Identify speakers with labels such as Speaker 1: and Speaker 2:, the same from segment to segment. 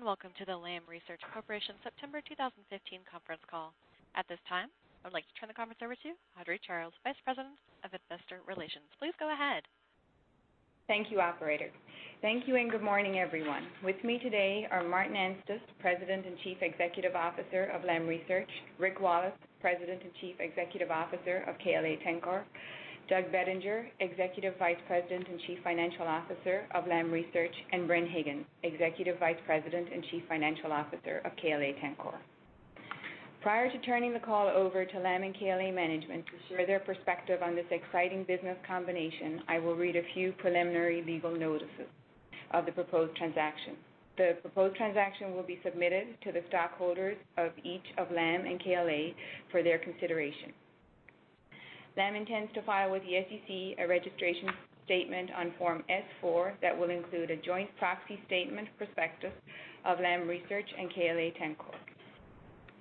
Speaker 1: Welcome to the Lam Research Corporation September 2015 conference call. At this time, I would like to turn the conference over to Audrey Charles, Vice President of Investor Relations. Please go ahead.
Speaker 2: Thank you, operator. Thank you, and good morning, everyone. With me today are Martin Anstice, President and Chief Executive Officer of Lam Research; Rick Wallace, President and Chief Executive Officer of KLA-Tencor; Doug Bettinger, Executive Vice President and Chief Financial Officer of Lam Research; and Bren Higgins, Executive Vice President and Chief Financial Officer of KLA-Tencor. Prior to turning the call over to Lam and KLA management to share their perspective on this exciting business combination, I will read a few preliminary legal notices of the proposed transaction. The proposed transaction will be submitted to the stockholders of each of Lam and KLA for their consideration. Lam intends to file with the SEC a registration statement on Form S-4 that will include a joint proxy statement prospectus of Lam Research and KLA-Tencor.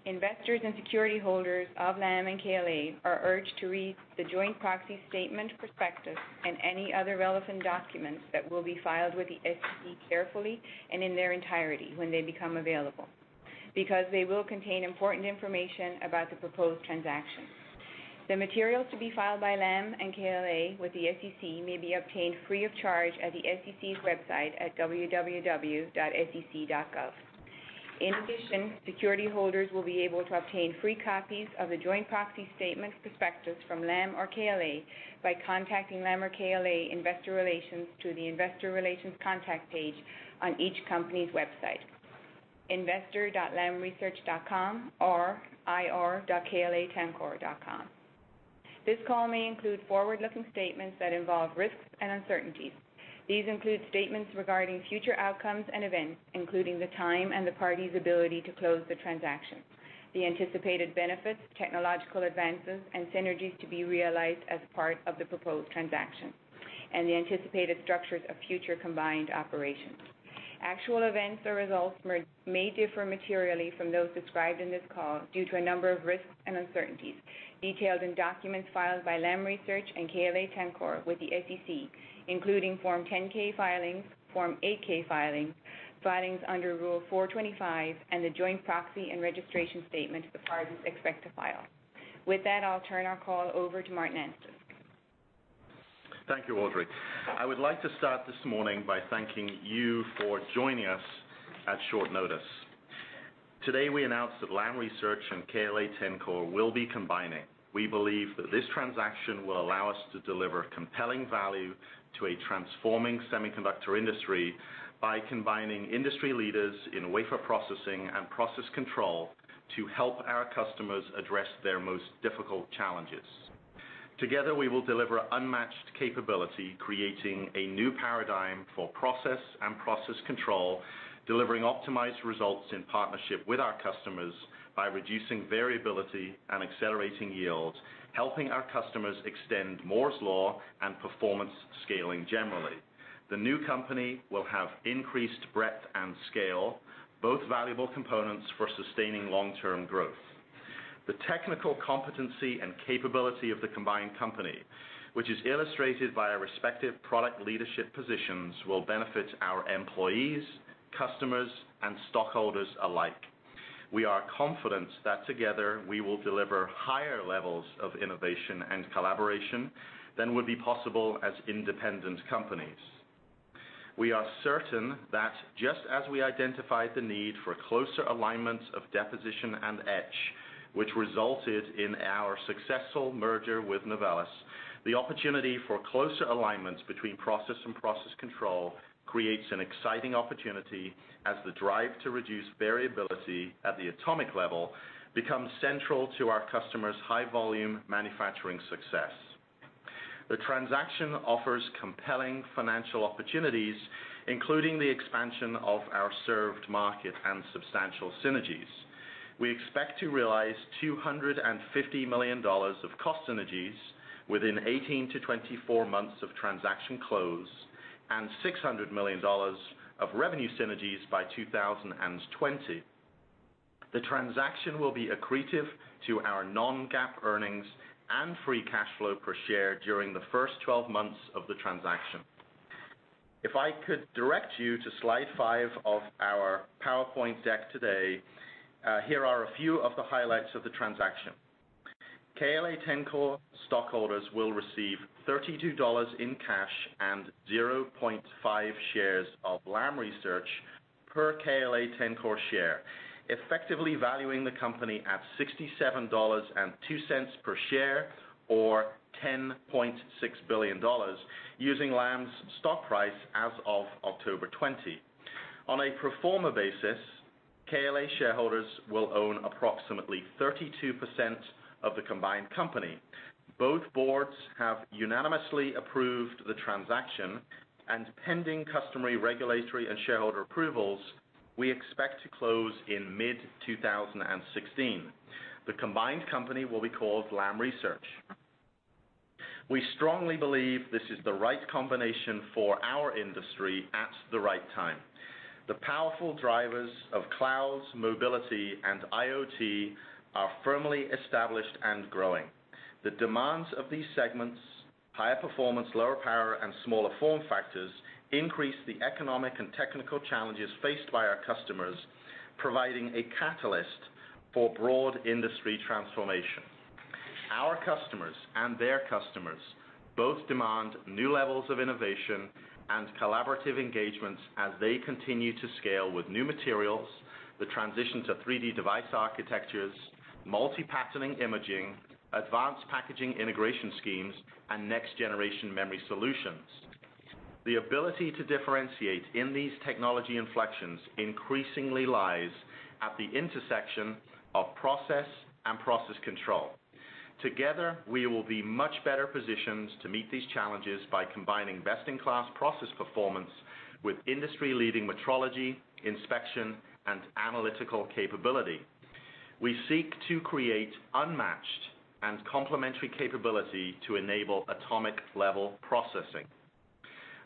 Speaker 2: Investors and security holders of Lam and KLA are urged to read the joint proxy statement prospectus and any other relevant documents that will be filed with the SEC carefully and in their entirety when they become available, because they will contain important information about the proposed transaction. The materials to be filed by Lam and KLA with the SEC may be obtained free of charge at the SEC's website at www.sec.gov. In addition, security holders will be able to obtain free copies of the joint proxy statement prospectus from Lam or KLA by contacting Lam or KLA Investor Relations through the Investor Relations contact page on each company's website, investor.lamresearch.com or ir.klatencor.com. This call may include forward-looking statements that involve risks and uncertainties. These include statements regarding future outcomes and events, including the time and the parties' ability to close the transaction, the anticipated benefits, technological advances, and synergies to be realized as part of the proposed transaction, and the anticipated structures of future combined operations. Actual events or results may differ materially from those described in this call due to a number of risks and uncertainties detailed in documents filed by Lam Research and KLA-Tencor with the SEC, including Form 10-K filings, Form 8-K filings under Rule 425, and the joint proxy and registration statement the parties expect to file. With that, I'll turn our call over to Martin Anstice.
Speaker 3: Thank you, Audrey. I would like to start this morning by thanking you for joining us at short notice. Today, we announce that Lam Research and KLA-Tencor will be combining. We believe that this transaction will allow us to deliver compelling value to a transforming semiconductor industry by combining industry leaders in wafer processing and process control to help our customers address their most difficult challenges. Together, we will deliver unmatched capability, creating a new paradigm for process and process control, delivering optimized results in partnership with our customers by reducing variability and accelerating yields, helping our customers extend Moore's Law and performance scaling generally. The new company will have increased breadth and scale, both valuable components for sustaining long-term growth. The technical competency and capability of the combined company, which is illustrated by our respective product leadership positions, will benefit our employees, customers, and stockholders alike. We are confident that together we will deliver higher levels of innovation and collaboration than would be possible as independent companies. We are certain that just as we identified the need for closer alignment of deposition and etch, which resulted in our successful merger with Novellus, the opportunity for closer alignment between process and process control creates an exciting opportunity as the drive to reduce variability at the atomic level becomes central to our customers' high-volume manufacturing success. The transaction offers compelling financial opportunities, including the expansion of our served market and substantial synergies. We expect to realize $250 million of cost synergies within 18 to 24 months of transaction close and $600 million of revenue synergies by 2020. The transaction will be accretive to our non-GAAP earnings and free cash flow per share during the first 12 months of the transaction. If I could direct you to slide five of our PowerPoint deck today, here are a few of the highlights of the transaction. KLA-Tencor stockholders will receive $32 in cash and 0.5 shares of Lam Research per KLA-Tencor share, effectively valuing the company at $67.02 per share or $10.6 billion using Lam's stock price as of October 20. On a pro forma basis, KLA shareholders will own approximately 32% of the combined company. Both boards have unanimously approved the transaction, and pending customary regulatory and shareholder approvals, we expect to close in mid-2016. The combined company will be called Lam Research. We strongly believe this is the right combination for our industry at the right time. The powerful drive Mobility and IoT are firmly established and growing. The demands of these segments, higher performance, lower power, and smaller form factors increase the economic and technical challenges faced by our customers, providing a catalyst for broad industry transformation. Our customers and their customers both demand new levels of innovation and collaborative engagements as they continue to scale with new materials, the transition to 3D device architectures, multi-patterning imaging, advanced packaging integration schemes, and next-generation memory solutions. The ability to differentiate in these technology inflections increasingly lies at the intersection of process and process control. Together, we will be much better positioned to meet these challenges by combining best-in-class process performance with industry-leading metrology, inspection, and analytical capability. We seek to create unmatched and complementary capability to enable atomic-level processing.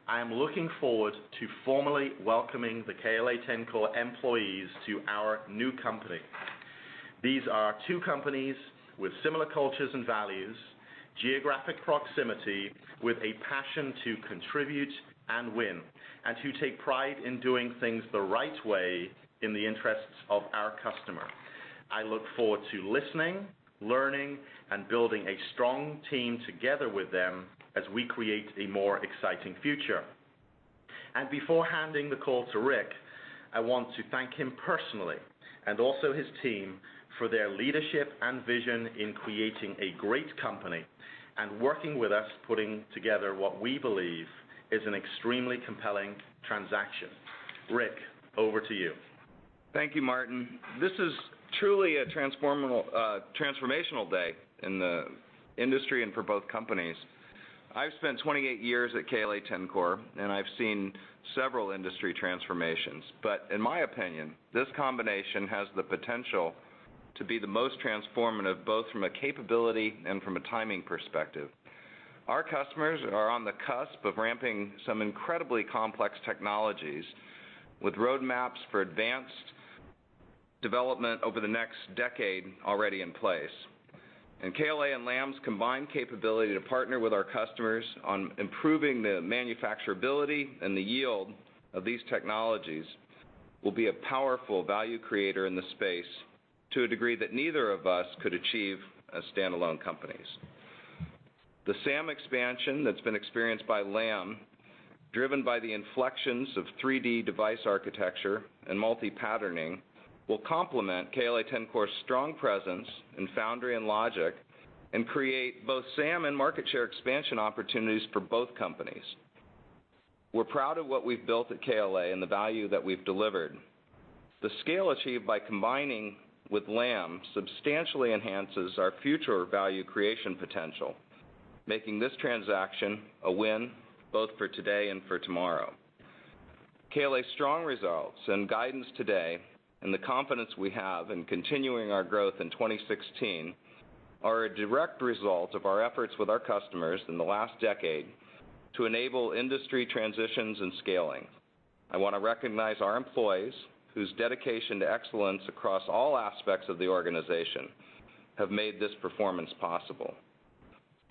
Speaker 3: I am looking forward to formally welcoming the KLA-Tencor employees to our new company. These are two companies with similar cultures and values, geographic proximity, with a passion to contribute and win, and who take pride in doing things the right way in the interests of our customer. I look forward to listening, learning, and building a strong team together with them as we create a more exciting future. Before handing the call to Rick, I want to thank him personally, and also his team, for their leadership and vision in creating a great company, and working with us putting together what we believe is an extremely compelling transaction. Rick, over to you.
Speaker 4: Thank you, Martin. This is truly a transformational day in the industry and for both companies. I've spent 28 years at KLA-Tencor, and I've seen several industry transformations. In my opinion, this combination has the potential to be the most transformative, both from a capability and from a timing perspective. Our customers are on the cusp of ramping some incredibly complex technologies with roadmaps for advanced development over the next decade already in place. KLA and Lam's combined capability to partner with our customers on improving the manufacturability and the yield of these technologies will be a powerful value creator in the space to a degree that neither of us could achieve as standalone companies. The SAM expansion that's been experienced by Lam, driven by the inflections of 3D device architecture and multi-patterning, will complement KLA-Tencor's strong presence in foundry and logic, and create both SAM and market share expansion opportunities for both companies. We're proud of what we've built at KLA and the value that we've delivered. The scale achieved by combining with Lam substantially enhances our future value creation potential, making this transaction a win both for today and for tomorrow. KLA's strong results and guidance today, and the confidence we have in continuing our growth in 2016, are a direct result of our efforts with our customers in the last decade to enable industry transitions and scaling. I want to recognize our employees, whose dedication to excellence across all aspects of the organization have made this performance possible.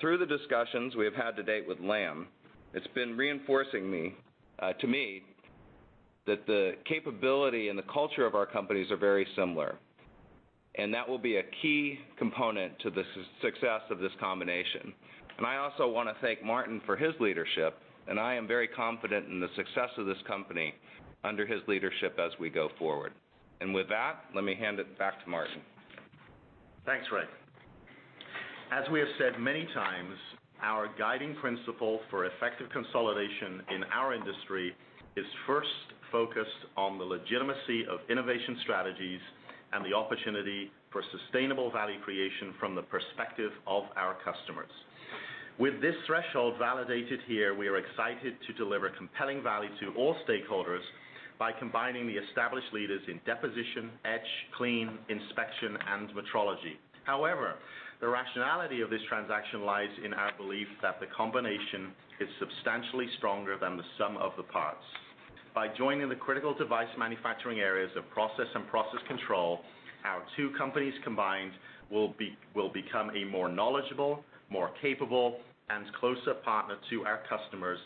Speaker 4: Through the discussions we have had to date with Lam, it's been reinforcing to me that the capability and the culture of our companies are very similar, and that will be a key component to the success of this combination. I also want to thank Martin for his leadership, and I am very confident in the success of this company under his leadership as we go forward. With that, let me hand it back to Martin.
Speaker 3: Thanks, Rick. As we have said many times, our guiding principle for effective consolidation in our industry is first focused on the legitimacy of innovation strategies and the opportunity for sustainable value creation from the perspective of our customers. With this threshold validated here, we are excited to deliver compelling value to all stakeholders by combining the established leaders in deposition, etch, clean, inspection, and metrology. The rationality of this transaction lies in our belief that the combination is substantially stronger than the sum of the parts. By joining the critical device manufacturing areas of process and process control, our two companies combined will become a more knowledgeable, more capable, and closer partner to our customers,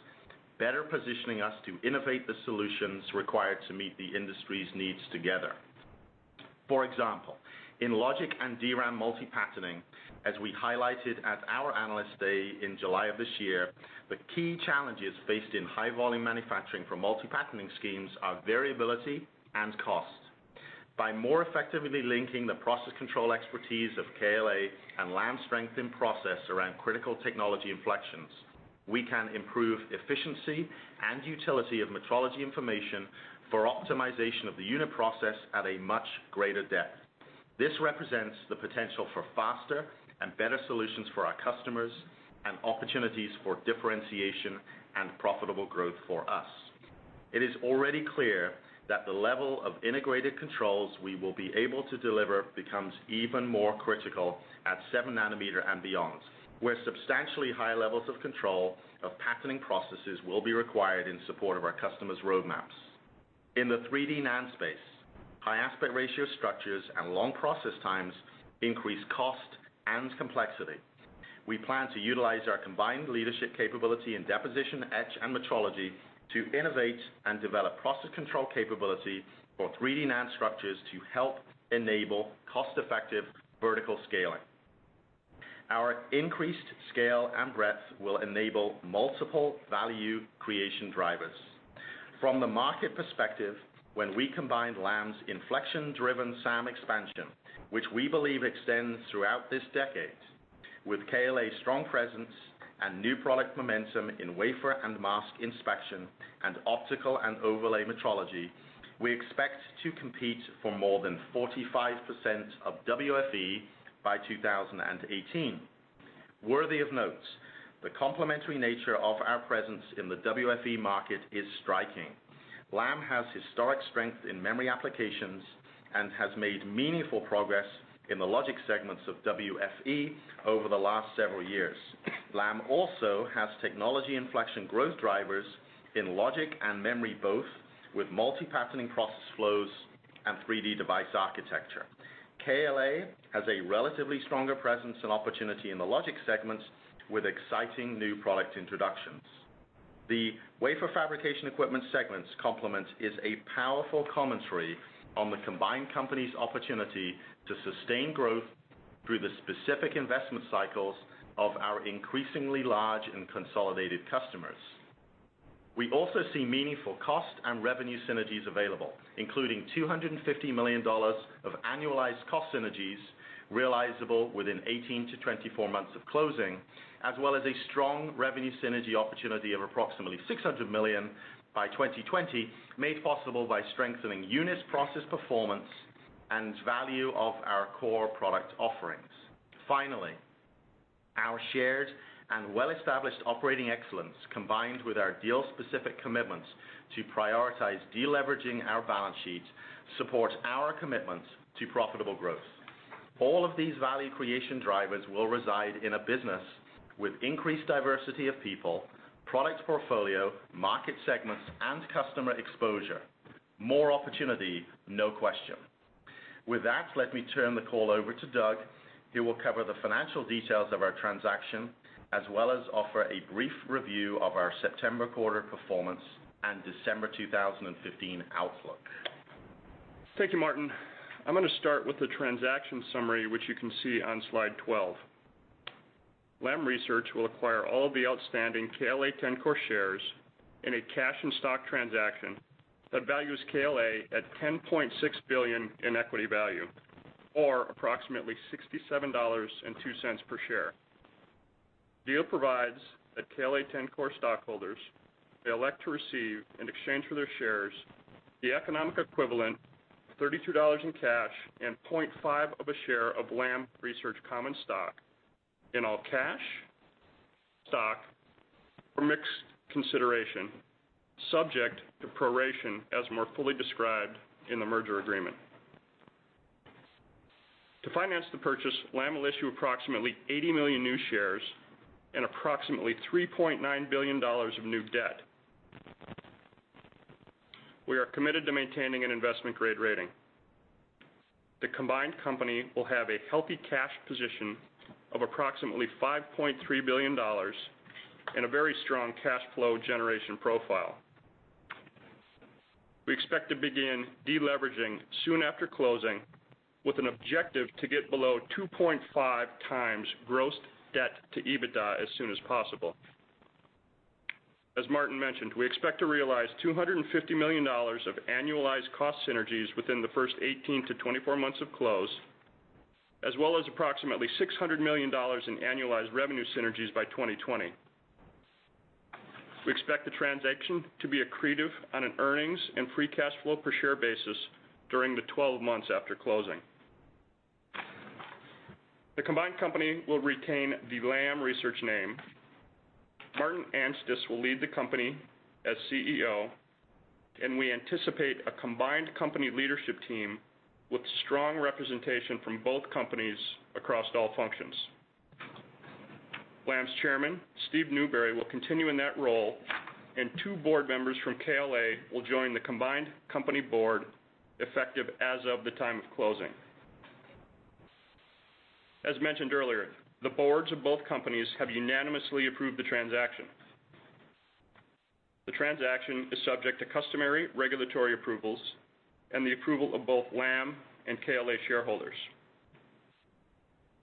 Speaker 3: better positioning us to innovate the solutions required to meet the industry's needs together. For example, in logic and DRAM multi-patterning, as we highlighted at our Analyst Day in July of this year, the key challenges faced in high-volume manufacturing for multi-patterning schemes are variability and cost. By more effectively linking the process control expertise of KLA and Lam's strength in process around critical technology inflections, we can improve efficiency and utility of metrology information for optimization of the unit process at a much greater depth. This represents the potential for faster and better solutions for our customers, and opportunities for differentiation and profitable growth for us. It is already clear that the level of integrated controls we will be able to deliver becomes even more critical at seven nanometer and beyond, where substantially higher levels of control of patterning processes will be required in support of our customers' roadmaps. In the 3D NAND space, high aspect ratio structures and long process times increase cost and complexity. We plan to utilize our combined leadership capability in deposition, etch, and metrology to innovate and develop process control capability for 3D NAND structures to help enable cost-effective vertical scaling. Our increased scale and breadth will enable multiple value creation drivers. From the market perspective, when we combined Lam's inflection-driven SAM expansion, which we believe extends throughout this decade, with KLA's strong presence and new product momentum in wafer and mask inspection and optical and overlay metrology, we expect to compete for more than 45% of WFE by 2018. Worthy of note, the complementary nature of our presence in the WFE market is striking. Lam has historic strength in memory applications and has made meaningful progress in the logic segments of WFE over the last several years. Lam also has technology inflection growth drivers in logic and memory both with multi-patterning process flows and 3D device architecture. KLA has a relatively stronger presence and opportunity in the logic segments with exciting new product introductions. The wafer fabrication equipment segments complement is a powerful commentary on the combined company's opportunity to sustain growth through the specific investment cycles of our increasingly large and consolidated customers. We also see meaningful cost and revenue synergies available, including $250 million of annualized cost synergies realizable within 18 to 24 months of closing, as well as a strong revenue synergy opportunity of approximately $600 million by 2020, made possible by strengthening units process performance and value of our core product offerings. Our shared and well-established operating excellence, combined with our deal-specific commitments to prioritize de-leveraging our balance sheet, supports our commitments to profitable growth. All of these value creation drivers will reside in a business with increased diversity of people, product portfolio, market segments, and customer exposure. More opportunity, no question. With that, let me turn the call over to Doug, who will cover the financial details of our transaction as well as offer a brief review of our September quarter performance and December 2015 outlook.
Speaker 5: Thank you, Martin. I'm going to start with the transaction summary, which you can see on slide 12. Lam Research will acquire all of the outstanding KLA-Tencor shares in a cash and stock transaction that values KLA at $10.6 billion in equity value, or approximately $67.02 per share. Deal provides that KLA-Tencor stockholders may elect to receive, in exchange for their shares, the economic equivalent of $32 in cash and 0.5 of a share of Lam Research common stock in all cash, stock, or mixed consideration, subject to proration as more fully described in the merger agreement. To finance the purchase, Lam will issue approximately $80 million new shares and approximately $3.9 billion of new debt. We are committed to maintaining an investment-grade rating. The combined company will have a healthy cash position of approximately $5.3 billion and a very strong cash flow generation profile. We expect to begin de-leveraging soon after closing with an objective to get below 2.5 times gross debt to EBITDA as soon as possible. As Martin mentioned, we expect to realize $250 million of annualized cost synergies within the first 18 to 24 months of close, as well as approximately $600 million in annualized revenue synergies by 2020. We expect the transaction to be accretive on an earnings and free cash flow per share basis during the 12 months after closing. The combined company will retain the Lam Research name. Martin Anstice will lead the company as CEO, and we anticipate a combined company leadership team with strong representation from both companies across all functions. Lam's chairman, Steve Newberry, will continue in that role, and two board members from KLA will join the combined company board effective as of the time of closing. As mentioned earlier, the boards of both companies have unanimously approved the transaction. The transaction is subject to customary regulatory approvals and the approval of both Lam and KLA shareholders.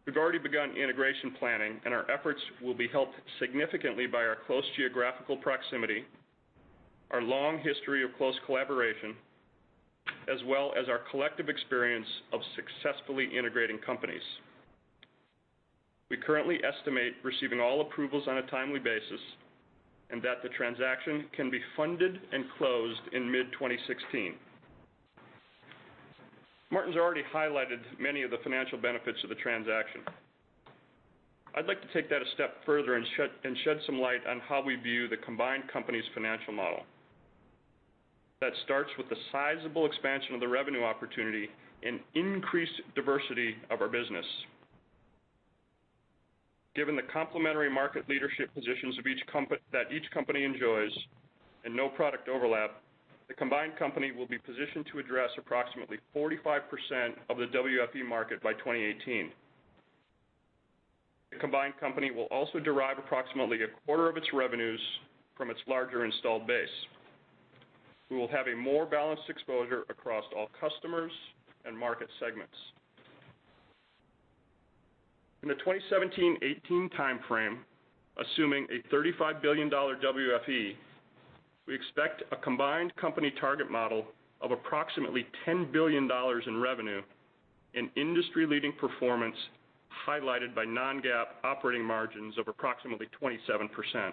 Speaker 5: We've already begun integration planning, and our efforts will be helped significantly by our close geographical proximity, our long history of close collaboration, as well as our collective experience of successfully integrating companies. We currently estimate receiving all approvals on a timely basis and that the transaction can be funded and closed in mid-2016. Martin's already highlighted many of the financial benefits of the transaction. I'd like to take that a step further and shed some light on how we view the combined company's financial model. That starts with the sizable expansion of the revenue opportunity and increased diversity of our business. Given the complementary market leadership positions that each company enjoys, and no product overlap, the combined company will be positioned to address approximately 45% of the WFE market by 2018. The combined company will also derive approximately a quarter of its revenues from its larger installed base. We will have a more balanced exposure across all customers and market segments. In the 2017-18 timeframe, assuming a $35 billion WFE, we expect a combined company target model of approximately $10 billion in revenue, and industry-leading performance highlighted by non-GAAP operating margins of approximately 27%.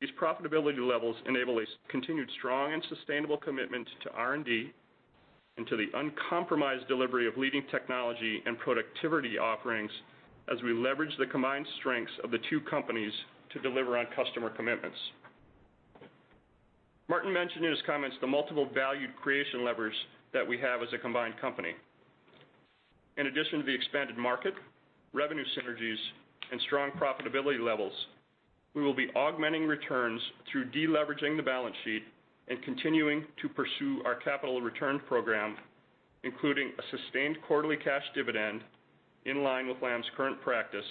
Speaker 5: These profitability levels enable a continued strong and sustainable commitment to R&D, and to the uncompromised delivery of leading technology and productivity offerings, as we leverage the combined strengths of the two companies to deliver on customer commitments. Martin mentioned in his comments the multiple value creation levers that we have as a combined company. In addition to the expanded market, revenue synergies, and strong profitability levels, we will be augmenting returns through de-leveraging the balance sheet and continuing to pursue our capital return program, including a sustained quarterly cash dividend in line with Lam's current practice,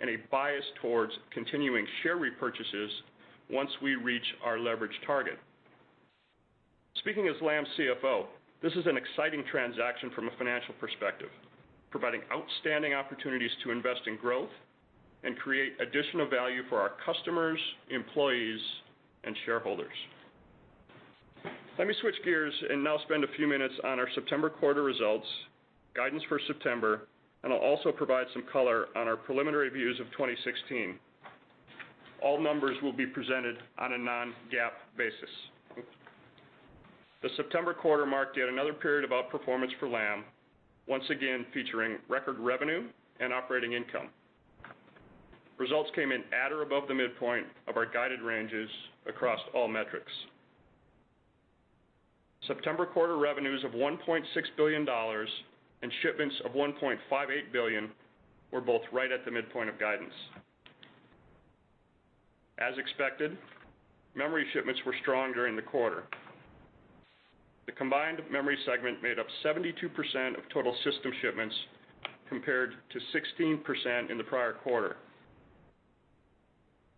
Speaker 5: and a bias towards continuing share repurchases once we reach our leverage target. Speaking as Lam's CFO, this is an exciting transaction from a financial perspective, providing outstanding opportunities to invest in growth and create additional value for our customers, employees, and shareholders. Let me switch gears and now spend a few minutes on our September quarter results, guidance for September, and I'll also provide some color on our preliminary views of 2016. All numbers will be presented on a non-GAAP basis. The September quarter marked yet another period of outperformance for Lam, once again featuring record revenue and operating income. Results came in at or above the midpoint of our guided ranges across all metrics. September quarter revenues of $1.6 billion and shipments of $1.58 billion were both right at the midpoint of guidance. As expected, memory shipments were strong during the quarter. The combined memory segment made up 72% of total system shipments, compared to 16% in the prior quarter.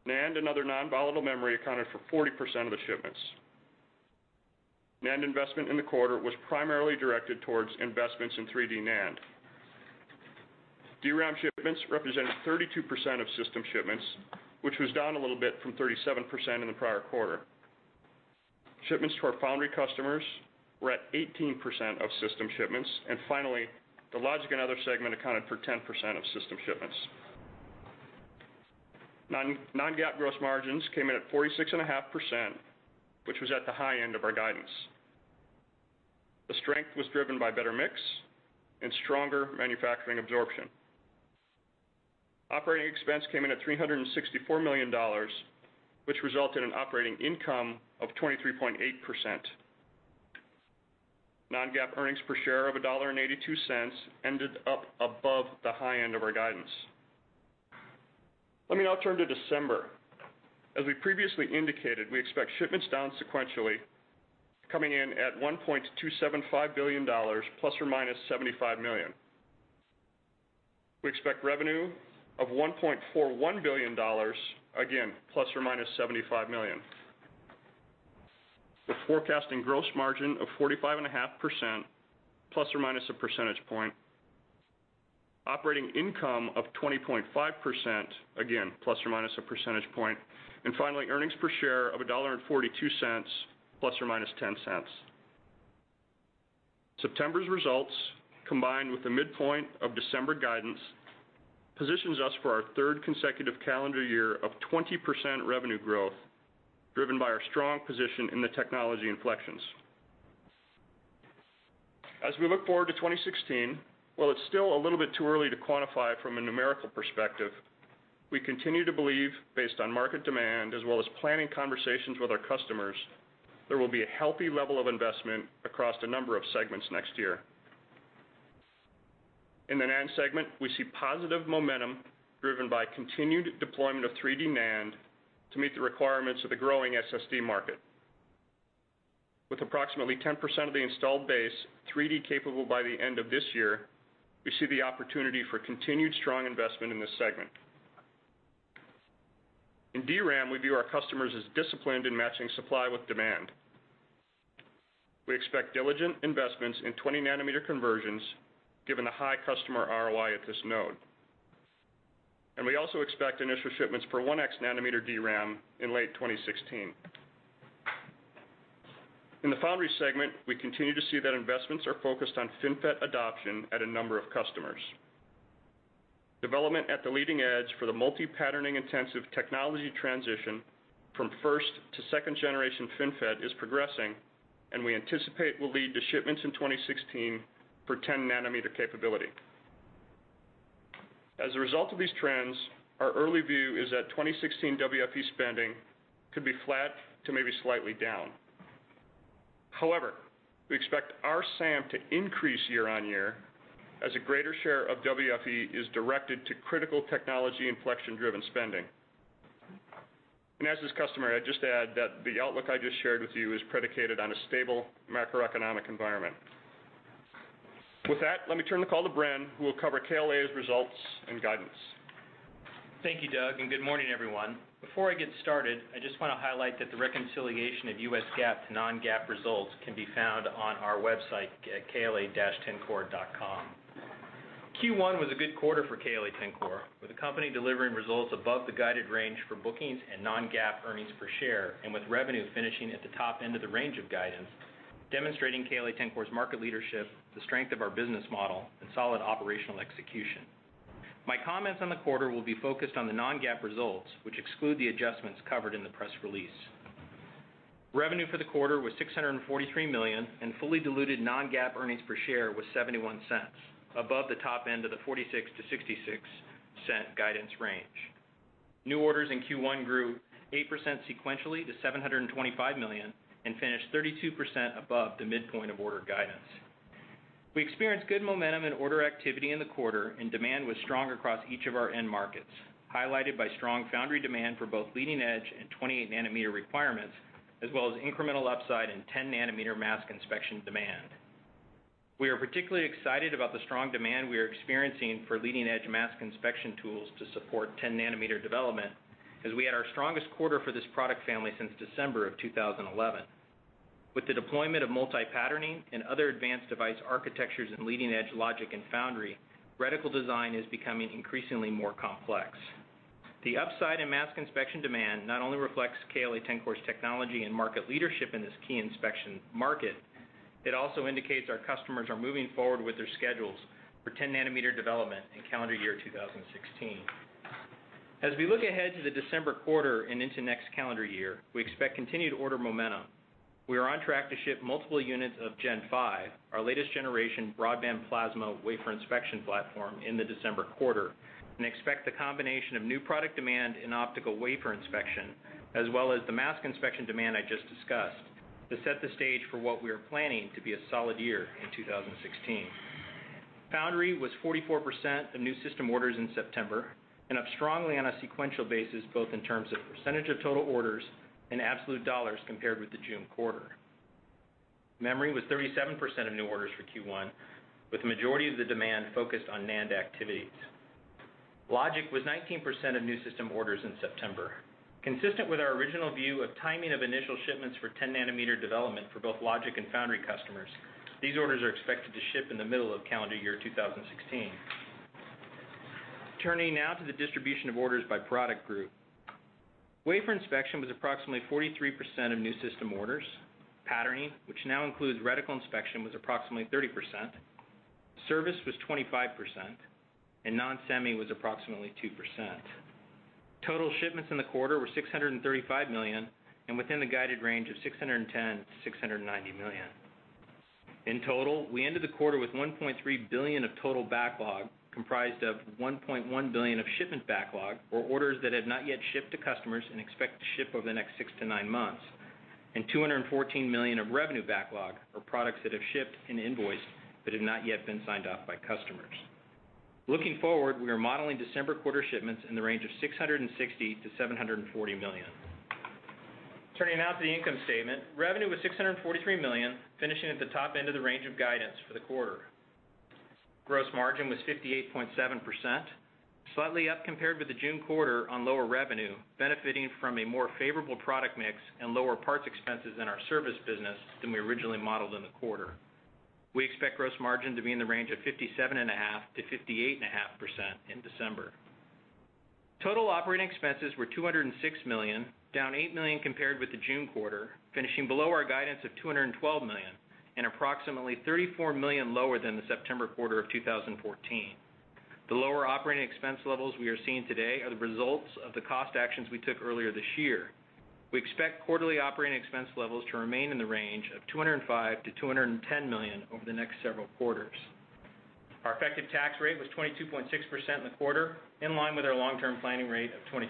Speaker 5: NAND and other non-volatile memory accounted for 40% of the shipments. NAND investment in the quarter was primarily directed towards investments in 3D NAND. DRAM shipments represented 32% of system shipments, which was down a little bit from 37% in the prior quarter. Shipments to our foundry customers were at 18% of system shipments. Finally, the logic and other segment accounted for 10% of system shipments. Non-GAAP gross margins came in at 46.5%, which was at the high end of our guidance. The strength was driven by better mix and stronger manufacturing absorption. Operating expense came in at $364 million, which resulted in operating income of 23.8%. Non-GAAP earnings per share of $1.82 ended up above the high end of our guidance. Let me now turn to December. As we previously indicated, we expect shipments down sequentially, coming in at $1.275 billion ±$75 million. We expect revenue of $1.41 billion, again, ±$75 million. We're forecasting gross margin of 45.5% ± a percentage point, operating income of 20.5%, again, ± a percentage point. Finally, earnings per share of $1.42 ±$0.10. September's results, combined with the midpoint of December guidance, positions us for our third consecutive calendar year of 20% revenue growth, driven by our strong position in the technology inflections. As we look forward to 2016, while it's still a little bit too early to quantify from a numerical perspective, we continue to believe, based on market demand, as well as planning conversations with our customers, there will be a healthy level of investment across a number of segments next year. In the NAND segment, we see positive momentum driven by continued deployment of 3D NAND to meet the requirements of the growing SSD market. With approximately 10% of the installed base 3D capable by the end of this year, we see the opportunity for continued strong investment in this segment. In DRAM, we view our customers as disciplined in matching supply with demand. We expect diligent investments in 20-nanometer conversions given the high customer ROI at this node. We also expect initial shipments for 1X-nanometer DRAM in late 2016. In the foundry segment, we continue to see that investments are focused on FinFET adoption at a number of customers. Development at the leading edge for the multi-patterning intensive technology transition from first to second-generation FinFET is progressing, and we anticipate will lead to shipments in 2016 for 10-nanometer capability. As a result of these trends, our early view is that 2016 WFE spending could be flat to maybe slightly down. However, we expect our SAM to increase year-on-year as a greater share of WFE is directed to critical technology inflection-driven spending. As does customer, I just add that the outlook I just shared with you is predicated on a stable macroeconomic environment. With that, let me turn the call to Bren, who will cover KLA's results and guidance.
Speaker 6: Thank you, Doug, and good morning, everyone. Before I get started, I just want to highlight that the reconciliation of U.S. GAAP to non-GAAP results can be found on our website at kla-tencor.com. Q1 was a good quarter for KLA-Tencor, with the company delivering results above the guided range for bookings and non-GAAP earnings per share, and with revenue finishing at the top end of the range of guidance, demonstrating KLA-Tencor's market leadership, the strength of our business model, and solid operational execution. My comments on the quarter will be focused on the non-GAAP results, which exclude the adjustments covered in the press release. Revenue for the quarter was $643 million, and fully diluted non-GAAP earnings per share was $0.71, above the top end of the $0.46 to $0.66 guidance range. New orders in Q1 grew 8% sequentially to $725 million and finished 32% above the midpoint of order guidance. We experienced good momentum and order activity in the quarter, and demand was strong across each of our end markets, highlighted by strong foundry demand for both leading-edge and 28-nanometer requirements, as well as incremental upside in 10-nanometer mask inspection demand. We are particularly excited about the strong demand we are experiencing for leading-edge mask inspection tools to support 10-nanometer development, as we had our strongest quarter for this product family since December of 2011. With the deployment of multi-patterning and other advanced device architectures in leading-edge logic and foundry, reticle design is becoming increasingly more complex. The upside in mask inspection demand not only reflects KLA-Tencor's technology and market leadership in this key inspection market, it also indicates our customers are moving forward with their schedules for 10-nanometer development in calendar year 2016. As we look ahead to the December quarter and into next calendar year, we expect continued order momentum. We are on track to ship multiple units of 3900 Series, our latest generation broadband plasma wafer inspection platform, in the December quarter, and expect the combination of new product demand in optical wafer inspection, as well as the mask inspection demand I just discussed, to set the stage for what we are planning to be a solid year in 2016. Foundry was 44% of new system orders in September and up strongly on a sequential basis, both in terms of percentage of total orders and absolute $ compared with the June quarter. Memory was 37% of new orders for Q1, with the majority of the demand focused on NAND activities. Logic was 19% of new system orders in September. Consistent with our original view of timing of initial shipments for 10-nanometer development for both logic and foundry customers, these orders are expected to ship in the middle of calendar year 2016. Turning now to the distribution of orders by product group. Wafer inspection was approximately 43% of new system orders. Patterning, which now includes reticle inspection, was approximately 30%. Service was 25%, and non-semi was approximately 2%. Total shipments in the quarter were $635 million and within the guided range of $610 million-$690 million. In total, we ended the quarter with $1.3 billion of total backlog, comprised of $1.1 billion of shipment backlog for orders that have not yet shipped to customers and expect to ship over the next six to nine months, and $214 million of revenue backlog for products that have shipped and invoiced but have not yet been signed off by customers. Looking forward, we are modeling December quarter shipments in the range of $660 million-$740 million. Turning now to the income statement. Revenue was $643 million, finishing at the top end of the range of guidance for the quarter. Gross margin was 58.7%, slightly up compared with the June quarter on lower revenue, benefiting from a more favorable product mix and lower parts expenses in our service business than we originally modeled in the quarter. We expect gross margin to be in the range of 57.5%-58.5% in December. Total operating expenses were $206 million, down $8 million compared with the June quarter, finishing below our guidance of $212 million and approximately $34 million lower than the September quarter of 2014. The lower operating expense levels we are seeing today are the results of the cost actions we took earlier this year. We expect quarterly operating expense levels to remain in the range of $205 million-$210 million over the next several quarters. Our effective tax rate was 22.6% in the quarter, in line with our long-term planning rate of 22%.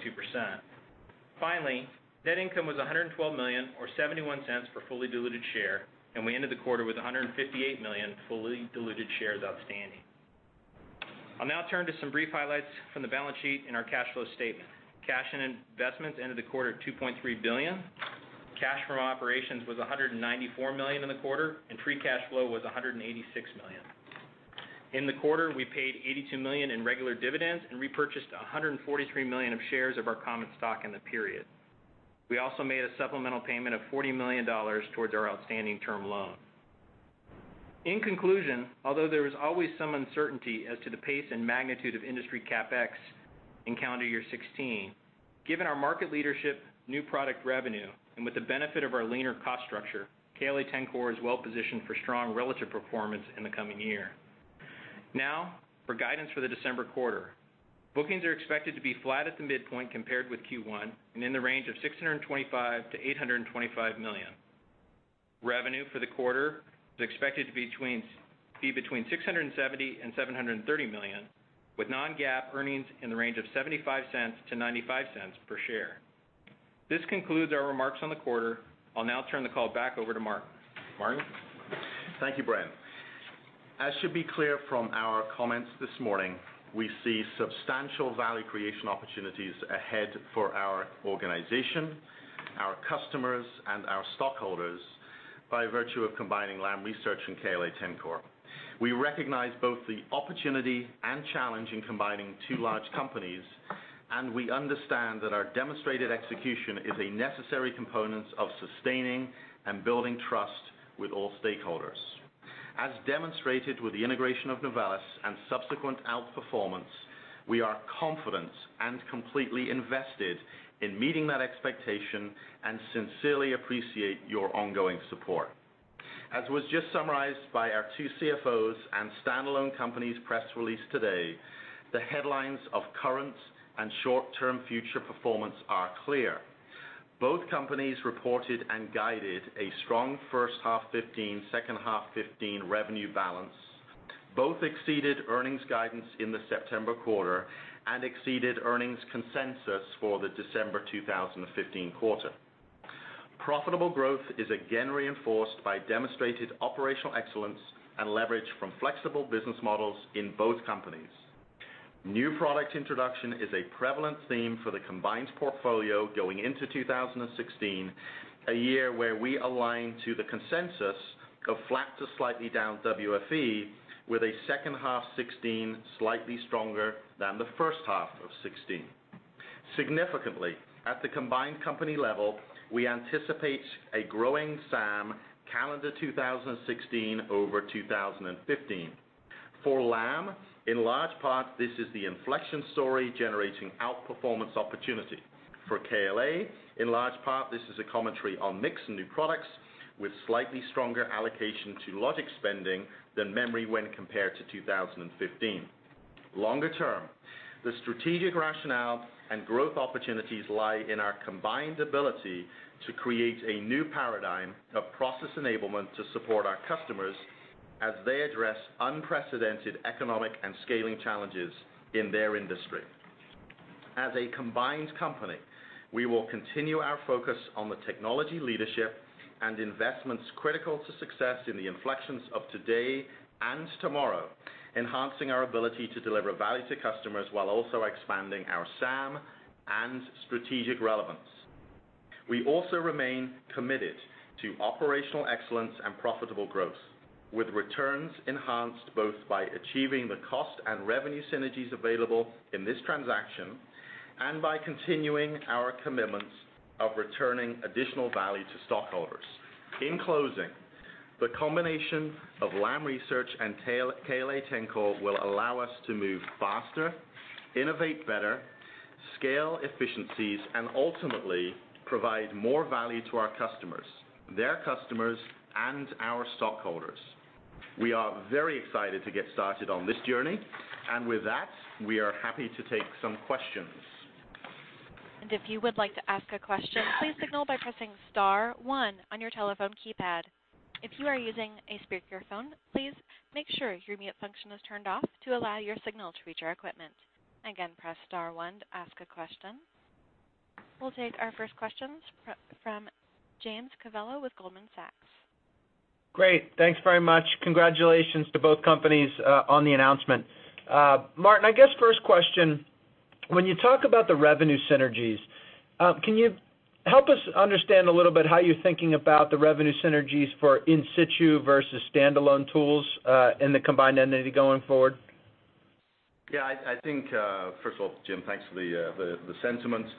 Speaker 6: Finally, net income was $112 million or $0.71 per fully diluted share, and we ended the quarter with 158 million fully diluted shares outstanding. I'll now turn to some brief highlights from the balance sheet and our cash flow statement. Cash and investments ended the quarter at $2.3 billion. Cash from operations was $194 million in the quarter, and free cash flow was $186 million. In the quarter, we paid $82 million in regular dividends and repurchased $143 million of shares of our common stock in the period. We also made a supplemental payment of $40 million towards our outstanding term loan. In conclusion, although there is always some uncertainty as to the pace and magnitude of industry CapEx in calendar year 2016, given our market leadership, new product revenue, and with the benefit of our leaner cost structure, KLA-Tencor is well-positioned for strong relative performance in the coming year. For guidance for the December quarter. Bookings are expected to be flat at the midpoint compared with Q1 and in the range of $625 million-$825 million. Revenue for the quarter is expected to be between $670 million and $730 million with non-GAAP earnings in the range of $0.75 to $0.95 per share. This concludes our remarks on the quarter. I'll now turn the call back over to Martin. Martin?
Speaker 3: Thank you, Brian. As should be clear from our comments this morning, we see substantial value creation opportunities ahead for our organization, our customers, and our stockholders by virtue of combining Lam Research and KLA-Tencor. We recognize both the opportunity and challenge in combining two large companies, and we understand that our demonstrated execution is a necessary component of sustaining and building trust with all stakeholders. As demonstrated with the integration of Novellus and subsequent outperformance, we are confident and completely invested in meeting that expectation and sincerely appreciate your ongoing support. As was just summarized by our two CFOs and standalone companies press release today, the headlines of current and short-term future performance are clear. Both companies reported and guided a strong first half 2015, second half 2015 revenue balance, both exceeded earnings guidance in the September quarter, and exceeded earnings consensus for the December 2015 quarter. Profitable growth is again reinforced by demonstrated operational excellence and leverage from flexible business models in both companies. New product introduction is a prevalent theme for the combined portfolio going into 2016, a year where we align to the consensus of flat to slightly down WFE with a second half 2016 slightly stronger than the first half of 2016. Significantly, at the combined company level, we anticipate a growing SAM calendar 2016 over 2015. For Lam, in large part, this is the inflection story generating outperformance opportunity. For KLA, in large part, this is a commentary on mix and new products, with slightly stronger allocation to logic spending than memory when compared to 2015. Longer term, the strategic rationale and growth opportunities lie in our combined ability to create a new paradigm of process enablement to support our customers as they address unprecedented economic and scaling challenges in their industry. As a combined company, we will continue our focus on the technology leadership and investments critical to success in the inflections of today and tomorrow, enhancing our ability to deliver value to customers while also expanding our SAM and strategic relevance. We also remain committed to operational excellence and profitable growth, with returns enhanced both by achieving the cost and revenue synergies available in this transaction and by continuing our commitments of returning additional value to stockholders. In closing, the combination of Lam Research and KLA-Tencor will allow us to move faster, innovate better, scale efficiencies, and ultimately provide more value to our customers, their customers, and our stockholders. We are very excited to get started on this journey, and with that, we are happy to take some questions.
Speaker 1: If you would like to ask a question, please signal by pressing *1 on your telephone keypad. If you are using a speakerphone, please make sure your mute function is turned off to allow your signal to reach our equipment. Again, press *1 to ask a question. We'll take our first questions from James Covello with Goldman Sachs.
Speaker 7: Great. Thanks very much. Congratulations to both companies on the announcement. Martin, I guess first question, when you talk about the revenue synergies, can you help us understand a little bit how you're thinking about the revenue synergies for in situ versus standalone tools in the combined entity going forward?
Speaker 3: Yeah. First of all, Jim, thanks for the sentiments.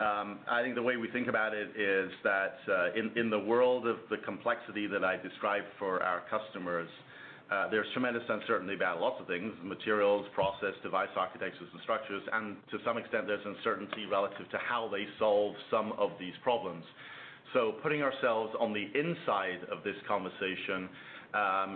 Speaker 3: I think the way we think about it is that in the world of the complexity that I described for our customers, there's tremendous uncertainty about lots of things, materials, process, device architectures, and structures, and to some extent, there's uncertainty relative to how they solve some of these problems. Putting ourselves on the inside of this conversation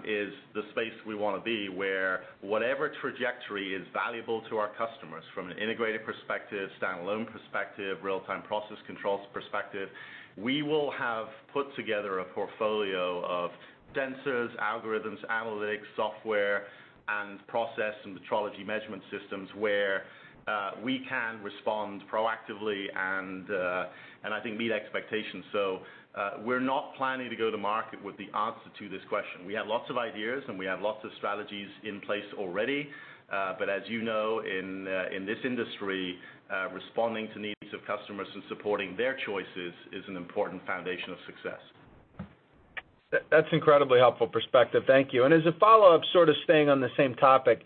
Speaker 3: is the space we want to be, where whatever trajectory is valuable to our customers from an integrated perspective, standalone perspective, real-time process controls perspective, we will have put together a portfolio of sensors, algorithms, analytics, software, and process and metrology measurement systems where we can respond proactively and I think meet expectations. We're not planning to go to market with the answer to this question. We have lots of ideas, and we have lots of strategies in place already. As you know, in this industry, responding to needs of customers and supporting their choices is an important foundation of success.
Speaker 7: That's incredibly helpful perspective. Thank you. As a follow-up, sort of staying on the same topic,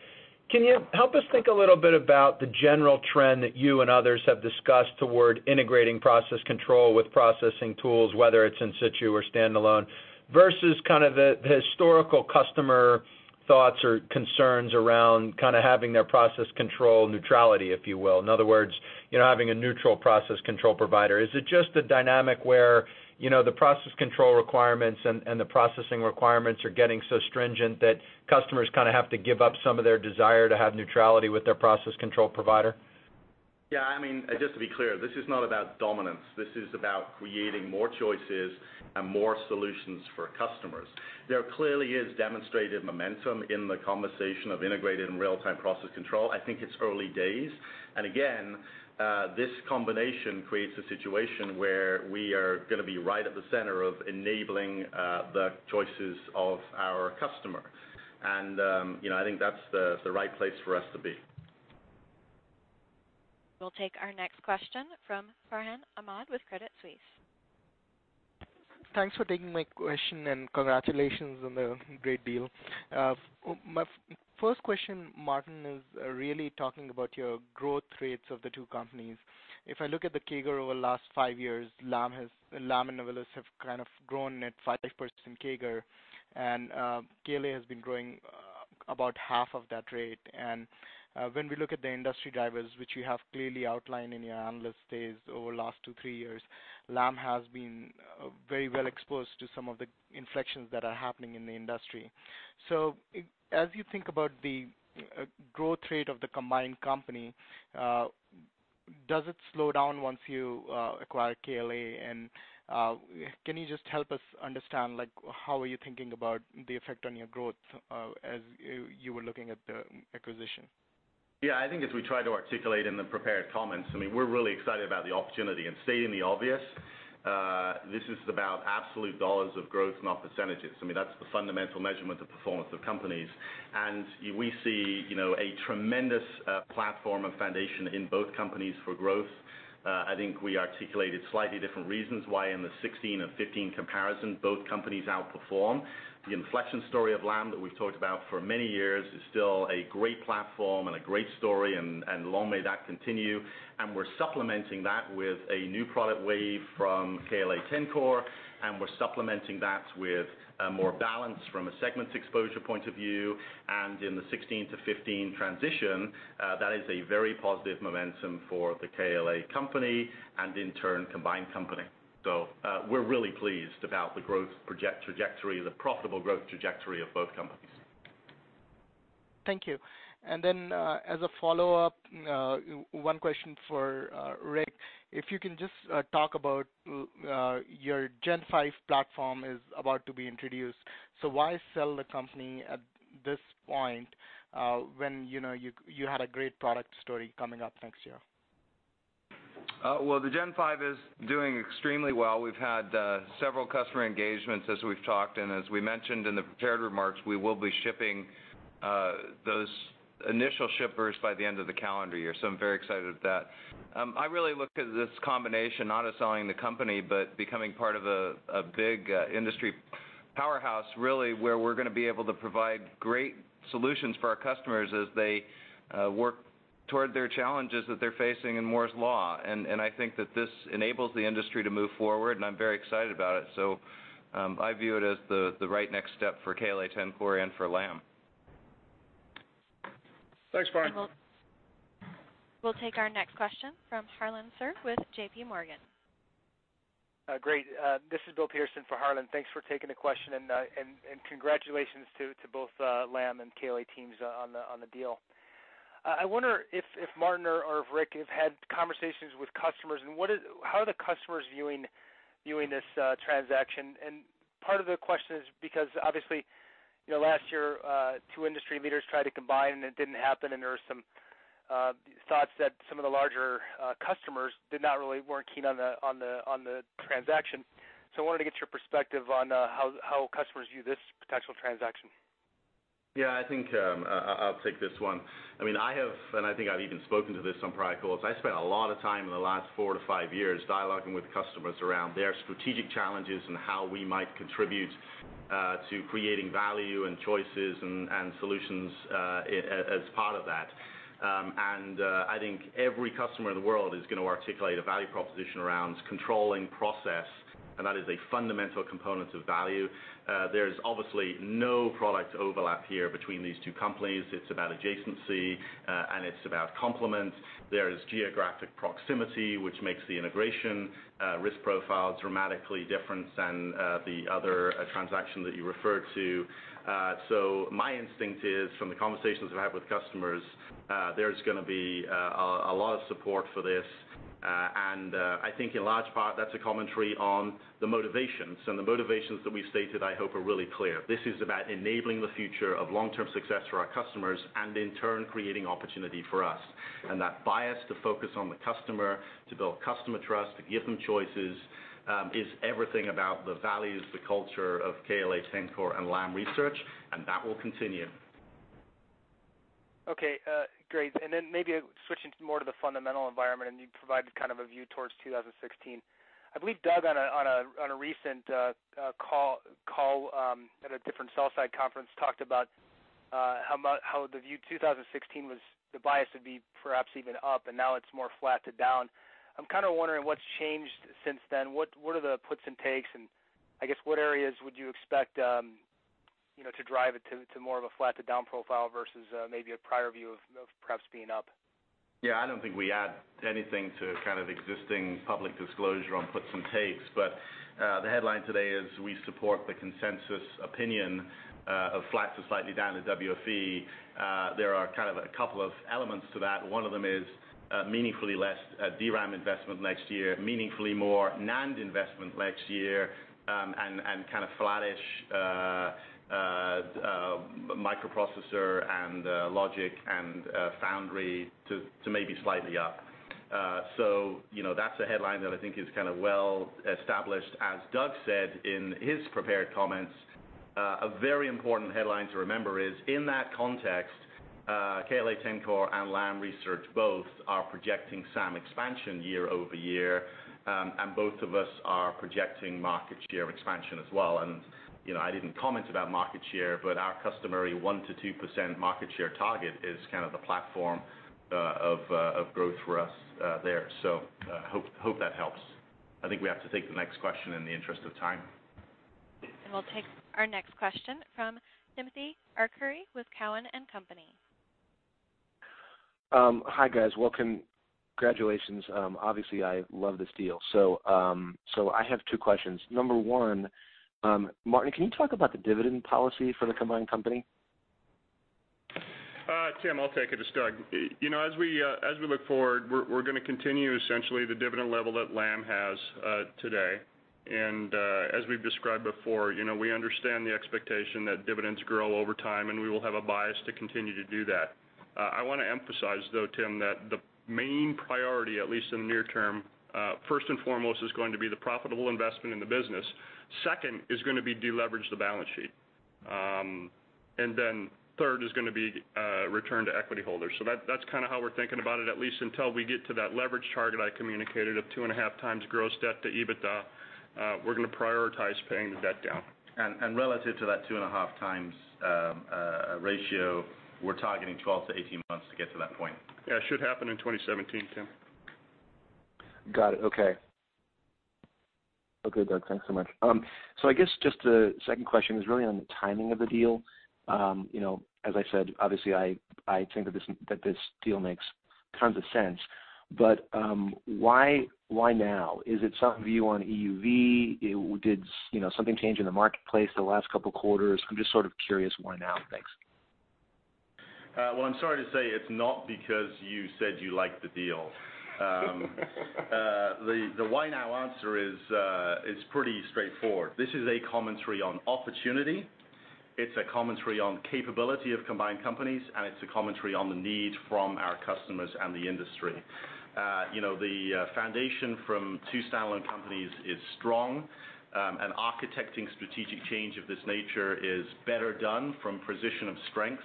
Speaker 7: can you help us think a little bit about the general trend that you and others have discussed toward integrating process control with processing tools, whether it's in situ or standalone, versus kind of the historical customer thoughts or concerns around kind of having their process control neutrality, if you will. In other words, having a neutral process control provider. Is it just a dynamic where the process control requirements and the processing requirements are getting so stringent that customers kind of have to give up some of their desire to have neutrality with their process control provider?
Speaker 3: Yeah. Just to be clear, this is not about dominance. This is about creating more choices and more solutions for customers. There clearly is demonstrated momentum in the conversation of integrated and real-time process control. I think it's early days, and again, this combination creates a situation where we are going to be right at the center of enabling the choices of our customer. I think that's the right place for us to be.
Speaker 1: We'll take our next question from Farhan Ahmad with Credit Suisse.
Speaker 8: Thanks for taking my question, and congratulations on the great deal. My first question, Martin, is really talking about your growth rates of the two companies. If I look at the CAGR over the last five years, Lam and Novellus have kind of grown at 5% CAGR, and KLA has been growing about half of that rate. When we look at the industry drivers, which you have clearly outlined in your analyst days over the last two, three years, Lam has been very well exposed to some of the inflections that are happening in the industry. As you think about the growth rate of the combined company, does it slow down once you acquire KLA? Can you just help us understand how are you thinking about the effect on your growth as you were looking at the acquisition?
Speaker 3: Yeah. I think as we try to articulate in the prepared comments, we're really excited about the opportunity, and stating the obvious, this is about absolute dollars of growth, not percentages. That's the fundamental measurement of performance of companies. We see a tremendous platform of foundation in both companies for growth. I think we articulated slightly different reasons why in the '16 or '15 comparison, both companies outperform. The inflection story of Lam that we've talked about for many years is still a great platform and a great story, and long may that continue. We're supplementing that with a new product wave from KLA-Tencor, and we're supplementing that with more balance from a segments exposure point of view. In the '16 to '15 transition, that is a very positive momentum for the KLA company and in turn, combined company. We're really pleased about the growth trajectory, the profitable growth trajectory of both companies.
Speaker 8: Thank you. As a follow-up, one question for Rick. If you can just talk about your 3900 Series platform is about to be introduced, why sell the company at this point, when you had a great product story coming up next year?
Speaker 4: Well, the 3900 Series is doing extremely well. We've had several customer engagements, as we've talked, and as we mentioned in the prepared remarks, we will be shipping those initial shippers by the end of the calendar year. I'm very excited at that. I really look at this combination not as selling the company, but becoming part of a big industry powerhouse, really where we're going to be able to provide great solutions for our customers as they work toward their challenges that they're facing in Moore's Law. I think that this enables the industry to move forward, and I'm very excited about it. I view it as the right next step for KLA-Tencor and for Lam.
Speaker 3: Thanks, Farhan.
Speaker 1: We'll take our next question from Harlan Sur with JP Morgan.
Speaker 9: Great. This is Bill Pearson for Harlan. Thanks for taking the question, congratulations to both Lam and KLA teams on the deal. I wonder if Martin or Rick have had conversations with customers, how are the customers viewing this transaction? Part of the question is because obviously, last year, two industry leaders tried to combine and it didn't happen, there were some thoughts that some of the larger customers did not really weren't keen on the transaction. I wanted to get your perspective on how customers view this potential transaction.
Speaker 3: Yeah, I think I'll take this one. I have, and I think I've even spoken to this on prior calls. I spent a lot of time in the last four to five years dialoguing with customers around their strategic challenges and how we might contribute to creating value and choices and solutions as part of that. I think every customer in the world is going to articulate a value proposition around controlling process, and that is a fundamental component of value. There's obviously no product overlap here between these two companies. It's about adjacency, and it's about complement. There is geographic proximity, which makes the integration risk profile dramatically different than the other transaction that you referred to. My instinct is, from the conversations I've had with customers, there's going to be a lot of support for this, and I think in large part, that's a commentary on the motivations. The motivations that we stated, I hope, are really clear. This is about enabling the future of long-term success for our customers and in turn, creating opportunity for us. That bias to focus on the customer, to build customer trust, to give them choices, is everything about the values, the culture of KLA-Tencor and Lam Research, and that will continue.
Speaker 9: Okay, great. Then maybe switching more to the fundamental environment, you provided kind of a view towards 2016. I believe Doug, on a recent call at a different sell-side conference, talked about how the view of 2016 was the bias would be perhaps even up, and now it's more flat to down. I'm kind of wondering what's changed since then. What are the puts and takes, and I guess what areas would you expect to drive it to more of a flat to down profile versus maybe a prior view of perhaps being up?
Speaker 3: Yeah, I don't think we add anything to kind of existing public disclosure on puts and takes. The headline today is we support the consensus opinion of flat to slightly down the WFE. A couple of elements to that. One of them is meaningfully less DRAM investment next year, meaningfully more NAND investment next year, and kind of flattish microprocessor and logic and foundry to maybe slightly up. That's a headline that I think is kind of well established. As Doug said in his prepared comments, a very important headline to remember is, in that context, KLA-Tencor and Lam Research both are projecting SAM expansion year-over-year, and both of us are projecting market share expansion as well. I didn't comment about market share, but our customary 1%-2% market share target is kind of the platform of growth for us there. Hope that helps. I think we have to take the next question in the interest of time.
Speaker 1: We'll take our next question from Timothy Arcuri with Cowen and Company.
Speaker 10: Hi, guys. Welcome. Congratulations. Obviously, I love this deal. I have two questions. Number one, Martin, can you talk about the dividend policy for the combined company?
Speaker 5: Tim, I'll take it. It's Doug. As we look forward, we're going to continue essentially the dividend level that Lam has today. As we've described before, we understand the expectation that dividends grow over time, and we will have a bias to continue to do that. I want to emphasize though, Tim, that the main priority, at least in the near term, first and foremost, is going to be the profitable investment in the business. Second, is going to be de-leverage the balance sheet. Third is going to be return to equity holders. That's kind of how we're thinking about it, at least until we get to that leverage target I communicated of 2.5x gross debt to EBITDA. We're going to prioritize paying the debt down.
Speaker 3: Relative to that two and a half times ratio, we're targeting 12 to 18 months to get to that point.
Speaker 5: Yeah, it should happen in 2017, Tim.
Speaker 10: Got it. Okay. Okay, Doug, thanks so much. I guess just the second question is really on the timing of the deal. As I said, obviously, I think that this deal makes tons of sense. Why now? Is it something to view on EUV? Did something change in the marketplace the last couple of quarters? I'm just sort of curious why now. Thanks.
Speaker 3: Well, I'm sorry to say it's not because you said you liked the deal. The why now answer is pretty straightforward. This is a commentary on opportunity. It's a commentary on capability of combined companies, and it's a commentary on the need from our customers and the industry. The foundation from two standalone companies is strong, and architecting strategic change of this nature is better done from a position of strength.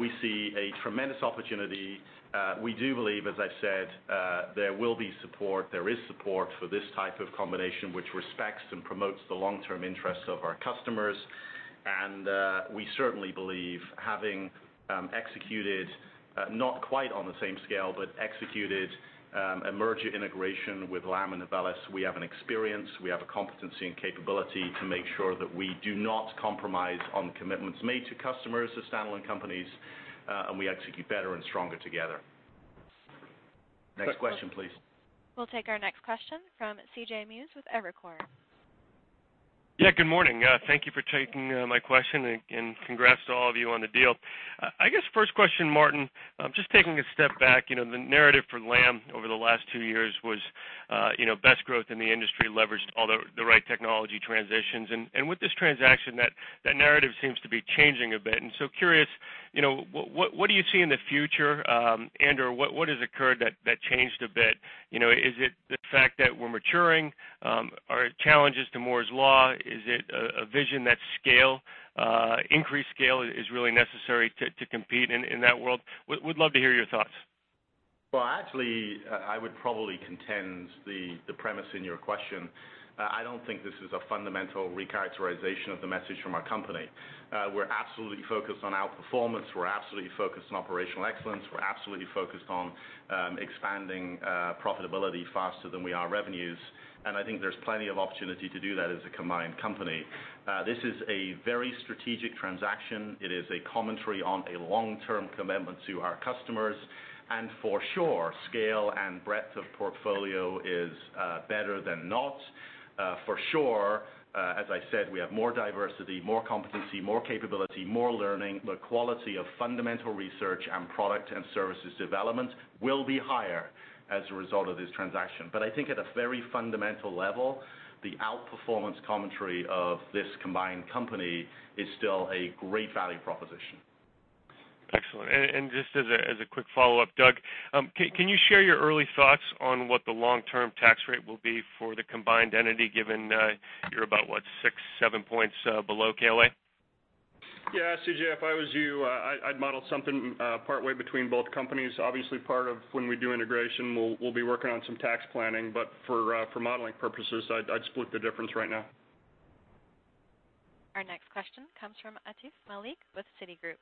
Speaker 3: We see a tremendous opportunity. We do believe, as I've said, there will be support, there is support for this type of combination, which respects and promotes the long-term interests of our customers. We certainly believe having executed, not quite on the same scale, but executed a merger integration with Lam and Novellus, we have an experience, we have a competency and capability to make sure that we do not compromise on commitments made to customers as standalone companies, we execute better and stronger together. Next question, please.
Speaker 1: We'll take our next question from C.J. Muse with Evercore.
Speaker 11: Yeah, good morning. Thank you for taking my question, congrats to all of you on the deal. I guess first question, Martin, just taking a step back, the narrative for Lam over the last two years was best growth in the industry, leveraged all the right technology transitions. With this transaction, that narrative seems to be changing a bit. So curious, what do you see in the future? Or what has occurred that changed a bit? Is it the fact that we're maturing? Are it challenges to Moore's Law? Is it a vision that increased scale is really necessary to compete in that world? Would love to hear your thoughts.
Speaker 3: Well, actually, I would probably contend the premise in your question. I don't think this is a fundamental recharacterization of the message from our company. We're absolutely focused on outperformance. We're absolutely focused on operational excellence. We're absolutely focused on expanding profitability faster than we are revenues, I think there's plenty of opportunity to do that as a combined company. This is a very strategic transaction. It is a commentary on a long-term commitment to our customers, for sure, scale and breadth of portfolio is better than not. For sure, as I said, we have more diversity, more competency, more capability, more learning. The quality of fundamental research and product and services development will be higher as a result of this transaction. I think at a very fundamental level, the outperformance commentary of this combined company is still a great value proposition.
Speaker 11: Excellent. Just as a quick follow-up, Doug, can you share your early thoughts on what the long-term tax rate will be for the combined entity, given you're about, what, six, seven points below KLA?
Speaker 5: Yeah, C.J., if I was you, I'd model something partway between both companies. Obviously, part of when we do integration, we'll be working on some tax planning, but for modeling purposes, I'd split the difference right now.
Speaker 1: Our next question comes from Atif Malik with Citigroup.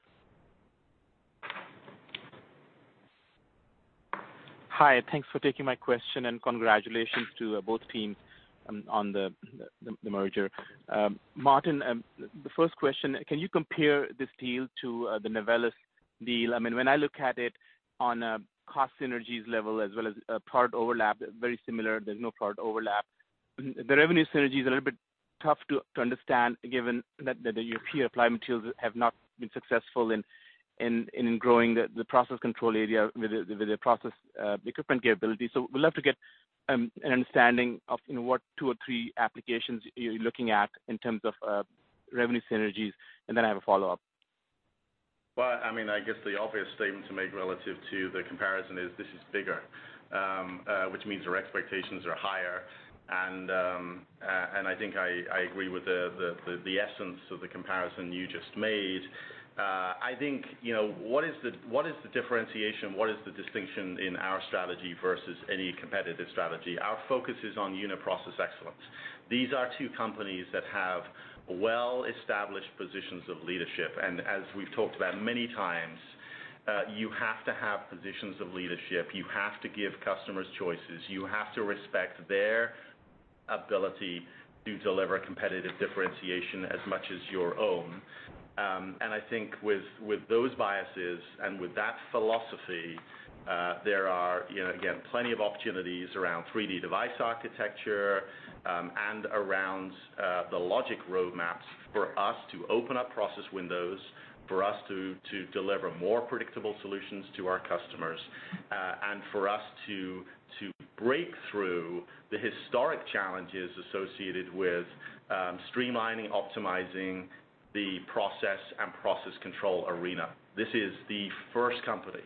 Speaker 12: Hi, thanks for taking my question, congratulations to both teams on the merger. Martin, the first question, can you compare this deal to the Novellus deal? When I look at it on a cost synergies level as well as part overlap, very similar, there's no part overlap. The revenue synergy is a little bit tough to understand given that the European Applied Materials have not been successful in growing the process control area with their process equipment capability. We'd love to get an understanding of what two or three applications you're looking at in terms of revenue synergies, then I have a follow-up.
Speaker 3: Well, I guess the obvious statement to make relative to the comparison is this is bigger, which means our expectations are higher. I think I agree with the essence of the comparison you just made. I think what is the differentiation? What is the distinction in our strategy versus any competitive strategy? Our focus is on unit process excellence. These are two companies that have well-established positions of leadership. As we've talked about many times, you have to have positions of leadership. You have to give customers choices. You have to respect their ability to deliver competitive differentiation as much as your own. I think with those biases and with that philosophy, there are plenty of opportunities around 3D device architecture, and around the logic roadmaps for us to open up process windows, for us to deliver more predictable solutions to our customers, and for us to break through the historic challenges associated with streamlining, optimizing the process and process control arena. This is the first company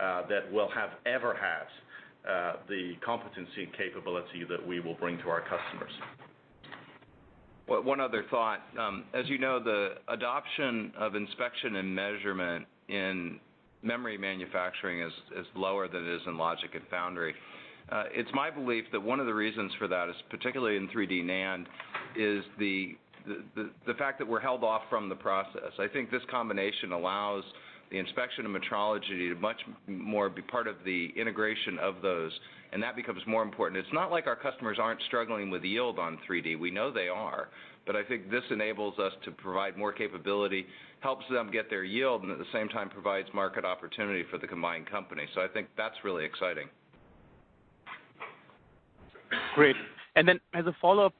Speaker 3: that will have ever had the competency and capability that we will bring to our customers.
Speaker 4: One other thought. As you know, the adoption of inspection and measurement in memory manufacturing is lower than it is in logic and foundry. It's my belief that one of the reasons for that is particularly in 3D NAND, is the fact that we're held off from the process. I think this combination allows the inspection and metrology to much more be part of the integration of those, and that becomes more important. It's not like our customers aren't struggling with yield on 3D. We know they are. I think this enables us to provide more capability, helps them get their yield, and at the same time, provides market opportunity for the combined company. I think that's really exciting.
Speaker 12: Great. As a follow-up,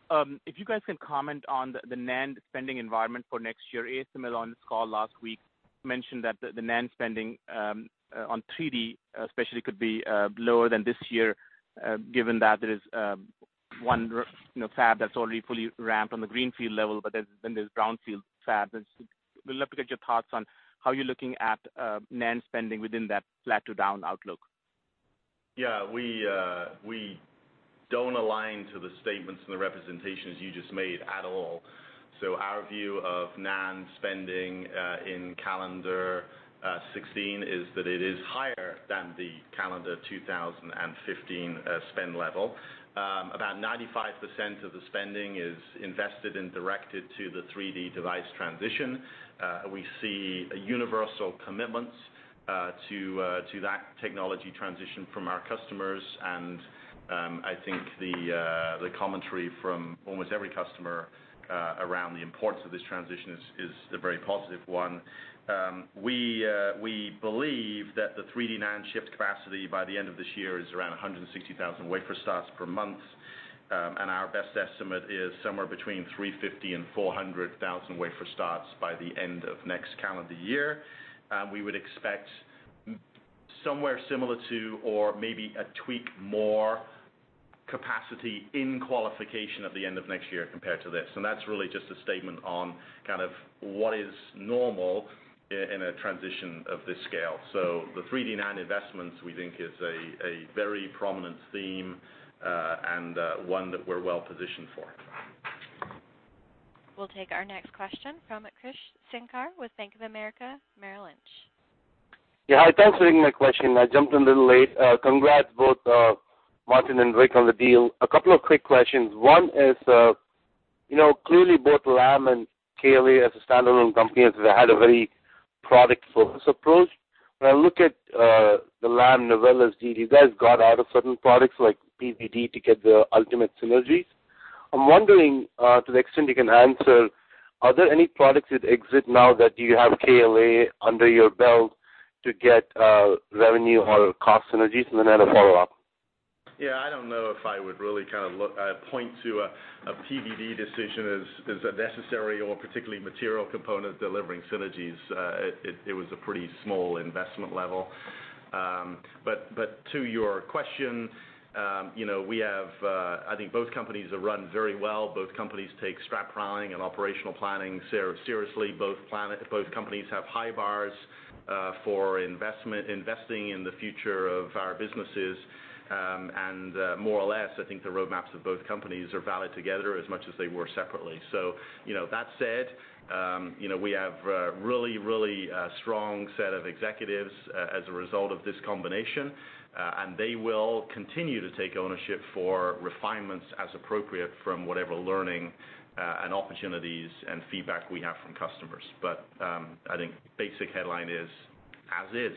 Speaker 12: if you guys can comment on the NAND spending environment for next year. ASML on this call last week, mentioned that the NAND spending on 3D especially could be lower than this year, given that there is one fab that's already fully ramped on the greenfield level, but then there's brownfield fabs. We'd love to get your thoughts on how you're looking at NAND spending within that flat to down outlook.
Speaker 3: We don't align to the statements and the representations you just made at all. Our view of NAND spending in calendar 2016 is that it is higher than the calendar 2015 spend level. About 95% of the spending is invested and directed to the 3D NAND device transition. We see a universal commitment to that technology transition from our customers, and I think the commentary from almost every customer around the importance of this transition is a very positive one. We believe that the 3D NAND shipped capacity by the end of this year is around 160,000 wafer starts per month. Our best estimate is somewhere between 350,000 and 400,000 wafer starts by the end of next calendar year. We would expect somewhere similar to or maybe a tweak more capacity in qualification at the end of next year compared to this. That's really just a statement on kind of what is normal in a transition of this scale. The 3D NAND investments, we think, is a very prominent theme, and one that we're well-positioned for.
Speaker 1: We'll take our next question from Krish Sankar with Bank of America Merrill Lynch.
Speaker 13: Yeah. Hi, thanks for taking my question. I jumped in a little late. Congrats both Martin and Rick on the deal. A couple of quick questions. One is, clearly both Lam and KLA as a standalone company have had a very product-focused approach. When I look at the Lam Novellus deal, you guys got out of certain products like PVD to get the ultimate synergies. I'm wondering to the extent you can answer, are there any products that exit now that you have KLA under your belt to get revenue or cost synergies? I have a follow-up.
Speaker 3: Yeah, I don't know if I would really kind of point to a PVD decision as a necessary or particularly material component delivering synergies. It was a pretty small investment level. To your question, I think both companies are run very well. Both companies take strap planning and operational planning seriously. Both companies have high bars for investing in the future of our businesses. More or less, I think the roadmaps of both companies are valid together as much as they were separately. That said, we have a really strong set of executives as a result of this combination. They will continue to take ownership for refinements as appropriate from whatever learning and opportunities and feedback we have from customers. I think basic headline is as is.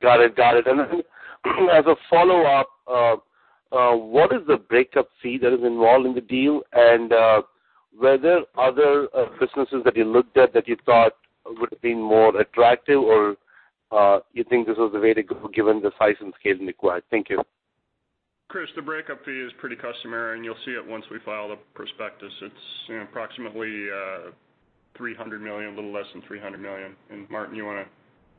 Speaker 13: Got it. I think as a follow-up, what is the breakup fee that is involved in the deal? Were there other businesses that you looked at that you thought would have been more attractive or You think this was the way to go given the size and scale required? Thank you.
Speaker 5: Krish, the breakup fee is pretty customary, and you'll see it once we file the prospectus. It's approximately $300 million, a little less than $300 million. Martin, you want to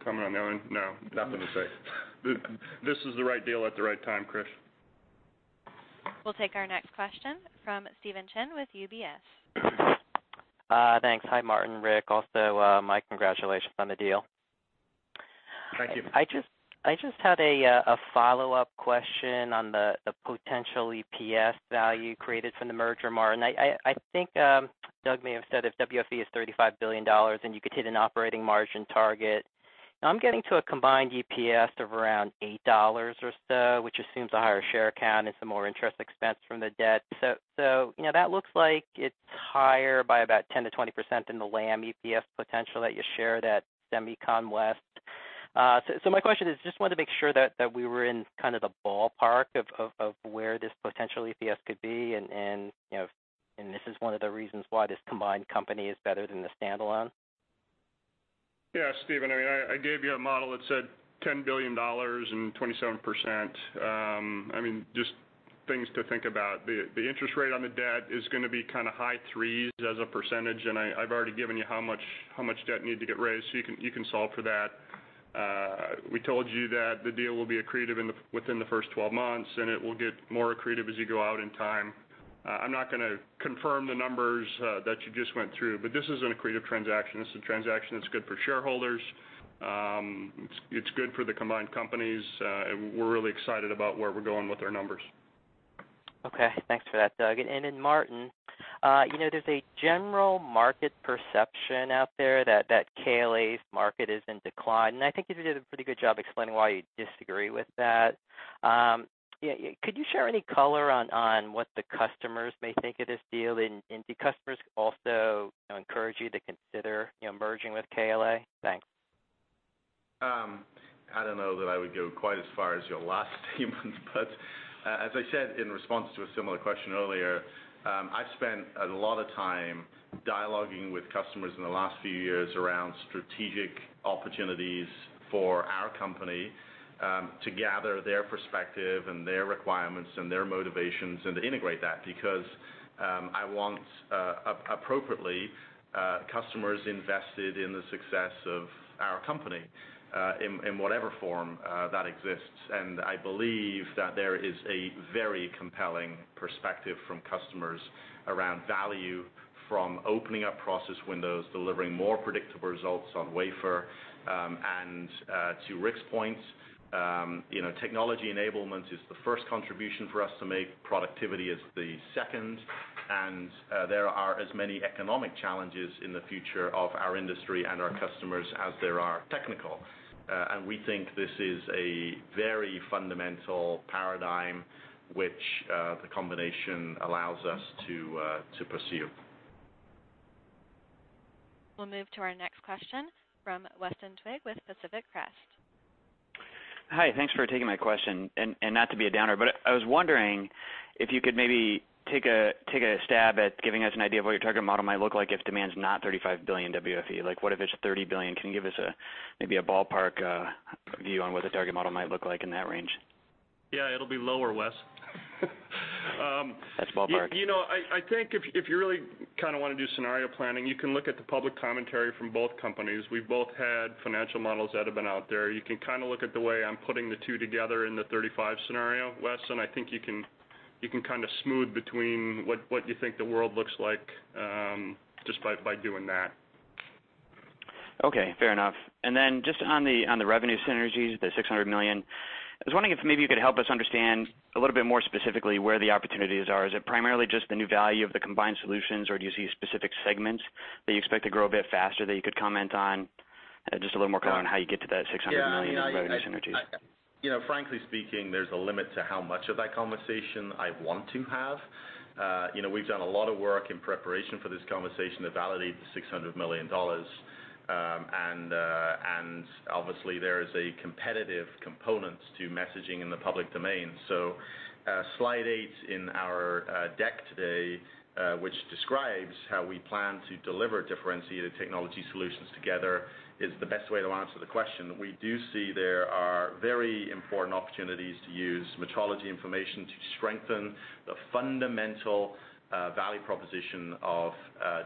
Speaker 5: comment on that one?
Speaker 3: No. Nothing to say.
Speaker 5: This is the right deal at the right time, Krish.
Speaker 1: We'll take our next question from Stephen Chin with UBS.
Speaker 14: Thanks. Hi, Martin, Rick. Also, my congratulations on the deal.
Speaker 3: Thank you. I just had a follow-up question on the potential EPS value created from the merger, Martin. I think Doug may have said if WFE is $35 billion and you could hit an operating margin target. I'm getting to a combined EPS of around $8 or so, which assumes a higher share count and some more interest expense from the debt. That looks like it's higher by about 10%-20% in the Lam EPS potential that you share that SEMICON West. My question is, just wanted to make sure that we were in kind of the ballpark of where this potential EPS could be, and this is one of the reasons why this combined company is better than the standalone.
Speaker 5: Yeah. Stephen, I gave you a model that said $10 billion and 27%. Just things to think about. The interest rate on the debt is going to be kind of high threes as a percentage, and I've already given you how much debt need to get raised, you can solve for that. We told you that the deal will be accretive within the first 12 months, and it will get more accretive as you go out in time. I'm not going to confirm the numbers that you just went through, but this is an accretive transaction. This is a transaction that's good for shareholders. It's good for the combined companies. We're really excited about where we're going with our numbers.
Speaker 14: Okay. Thanks for that, Doug. Martin, there's a general market perception out there that KLA's market is in decline, and I think you did a pretty good job explaining why you disagree with that. Could you share any color on what the customers may think of this deal and do customers also encourage you to consider merging with KLA? Thanks.
Speaker 3: I don't know that I would go quite as far as your last statement, but as I said in response to a similar question earlier, I've spent a lot of time dialoguing with customers in the last few years around strategic opportunities for our company, to gather their perspective and their requirements and their motivations, and to integrate that because I want, appropriately, customers invested in the success of our company, in whatever form that exists. I believe that there is a very compelling perspective from customers around value from opening up process windows, delivering more predictable results on wafer, and to Rick's point, technology enablement is the first contribution for us to make, productivity is the second, and there are as many economic challenges in the future of our industry and our customers as there are technical. We think this is a very fundamental paradigm which the combination allows us to pursue.
Speaker 1: We'll move to our next question from Weston Twigg with Pacific Crest.
Speaker 15: Hi. Thanks for taking my question. Not to be a downer, but I was wondering if you could maybe take a stab at giving us an idea of what your target model might look like if demand's not $35 billion WFE. What if it's $30 billion? Can you give us maybe a ballpark view on what the target model might look like in that range?
Speaker 5: Yeah, it'll be lower, Wes.
Speaker 15: That's a ballpark.
Speaker 5: I think if you really kind of want to do scenario planning, you can look at the public commentary from both companies. We've both had financial models that have been out there. You can kind of look at the way I'm putting the two together in the 35 scenario, Wes, I think you can kind of smooth between what you think the world looks like just by doing that.
Speaker 15: Okay, fair enough. Then just on the revenue synergies, the $600 million, I was wondering if maybe you could help us understand a little bit more specifically where the opportunities are. Is it primarily just the new value of the combined solutions, or do you see specific segments that you expect to grow a bit faster that you could comment on? Just a little more color on how you get to that $600 million in revenue synergies.
Speaker 3: Yeah. Frankly speaking, there's a limit to how much of that conversation I want to have. We've done a lot of work in preparation for this conversation to validate the $600 million. Obviously there is a competitive component to messaging in the public domain. Slide eight in our deck today, which describes how we plan to deliver differentiated technology solutions together, is the best way to answer the question. We do see there are very important opportunities to use metrology information to strengthen the fundamental value proposition of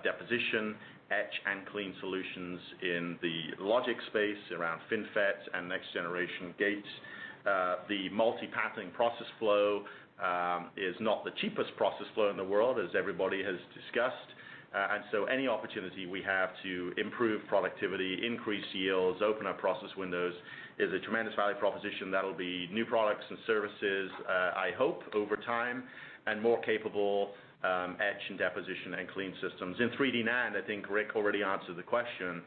Speaker 3: deposition, etch, and clean solutions in the logic space around FinFET and next generation gates. The multi-patterning process flow is not the cheapest process flow in the world, as everybody has discussed. Any opportunity we have to improve productivity, increase yields, open up process windows, is a tremendous value proposition that'll be new products and services, I hope, over time, and more capable etch and deposition and clean systems. In 3D NAND, I think Rick already answered the question.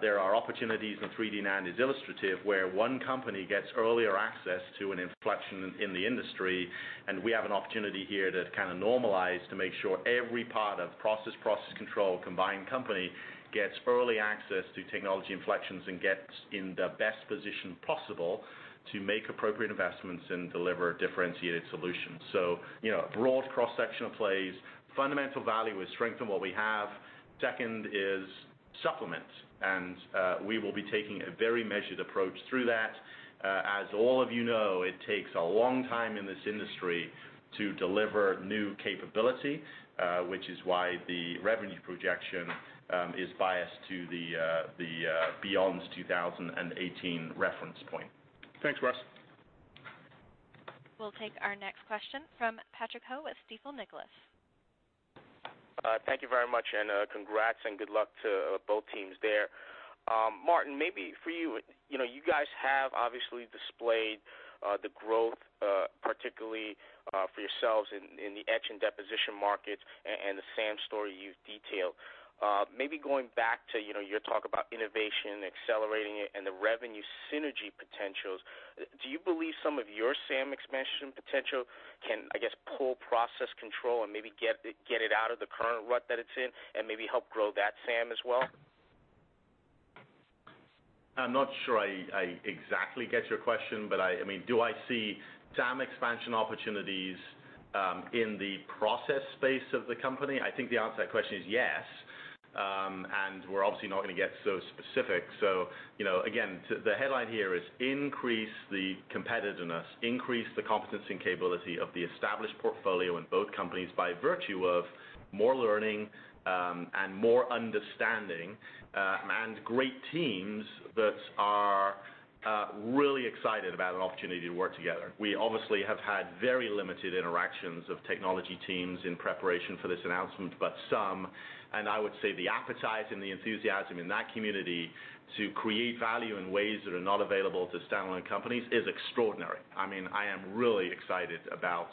Speaker 3: There are opportunities in 3D NAND as illustrative, where one company gets earlier access to an inflection in the industry, and we have an opportunity here to kind of normalize to make sure every part of process control, combined company, gets early access to technology inflections and gets in the best position possible to make appropriate investments and deliver differentiated solutions. A broad cross-section of plays. Fundamental value, we strengthen what we have. Second is Supplement. We will be taking a very measured approach through that. As all of you know, it takes a long time in this industry to deliver new capability, which is why the revenue projection is biased to the beyond 2018 reference point.
Speaker 5: Thanks, Wes.
Speaker 1: We'll take our next question from Patrick Ho with Stifel Nicolaus.
Speaker 16: Thank you very much, and congrats and good luck to both teams there. Martin, for you guys have obviously displayed the growth, particularly for yourselves in the etch and deposition markets, and the SAM story you've detailed. Going back to your talk about innovation, accelerating it, and the revenue synergy potentials, do you believe some of your SAM expansion potential can, I guess, pull process control and maybe get it out of the current rut that it's in and maybe help grow that SAM as well?
Speaker 3: I'm not sure I exactly get your question, but do I see SAM expansion opportunities in the process space of the company? I think the answer to that question is yes. We're obviously not going to get so specific. Again, the headline here is increase the competitiveness, increase the competency and capability of the established portfolio in both companies by virtue of more learning and more understanding, and great teams that are really excited about an opportunity to work together. We obviously have had very limited interactions of technology teams in preparation for this announcement, but some, and I would say the appetite and the enthusiasm in that community to create value in ways that are not available to standalone companies is extraordinary. I am really excited about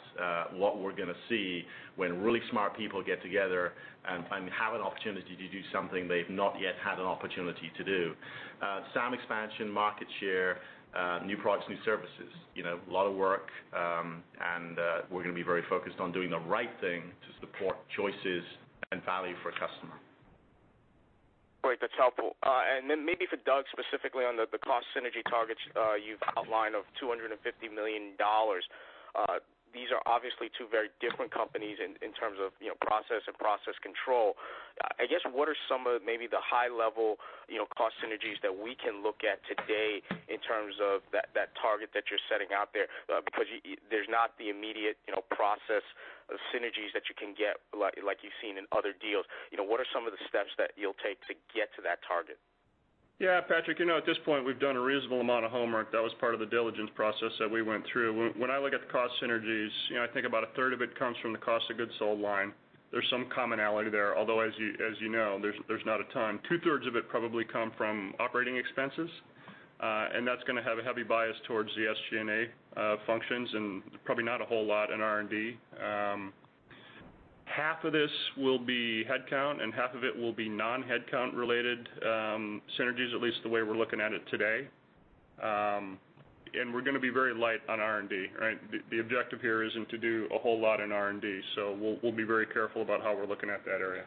Speaker 3: what we're going to see when really smart people get together and have an opportunity to do something they've not yet had an opportunity to do. SAM expansion, market share, new products, new services. A lot of work, and we're going to be very focused on doing the right thing to support choices and value for a customer.
Speaker 16: Great. That's helpful. For Doug, specifically on the cost synergy targets, you've outlined of $250 million. These are obviously two very different companies in terms of process and process control. I guess what are some of maybe the high-level cost synergies that we can look at today in terms of that target that you're setting out there? Because there's not the immediate process of synergies that you can get, like you've seen in other deals. What are some of the steps that you'll take to get to that target?
Speaker 5: Patrick, at this point, we've done a reasonable amount of homework. That was part of the diligence process that we went through. When I look at the cost synergies, I think about a third of it comes from the cost of goods sold line. There's some commonality there, although, as you know, there's not a ton. Two-thirds of it probably come from operating expenses, and that's going to have a heavy bias towards the SG&A functions and probably not a whole lot in R&D. Half of this will be headcount, and half of it will be non-headcount related synergies, at least the way we're looking at it today. We're going to be very light on R&D, right? The objective here isn't to do a whole lot in R&D, so we'll be very careful about how we're looking at that area.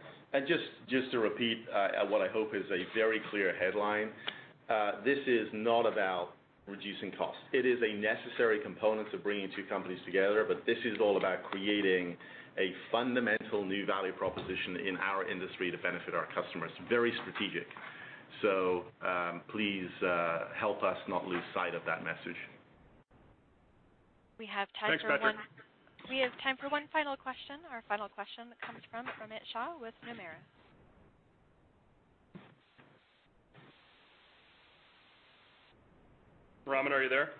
Speaker 3: Just to repeat, what I hope is a very clear headline. This is not about reducing costs. It is a necessary component of bringing two companies together, but this is all about creating a fundamental new value proposition in our industry to benefit our customers. Very strategic. Please help us not lose sight of that message.
Speaker 5: Thanks, Patrick.
Speaker 1: We have time for one final question. Our final question comes from Amit Shah with Nomura.
Speaker 5: Amit, are you there?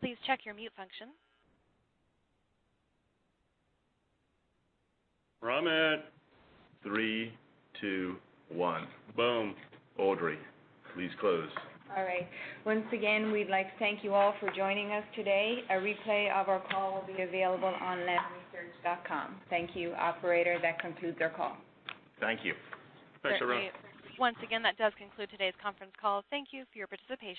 Speaker 1: Please check your mute function.
Speaker 3: Amit. Three, two, one. Boom. Audrey, please close.
Speaker 2: All right. Once again, we'd like to thank you all for joining us today. A replay of our call will be available on lamresearch.com. Thank you, operator. That concludes our call.
Speaker 3: Thank you.
Speaker 5: Thanks, everyone.
Speaker 1: Once again, that does conclude today's conference call. Thank you for your participation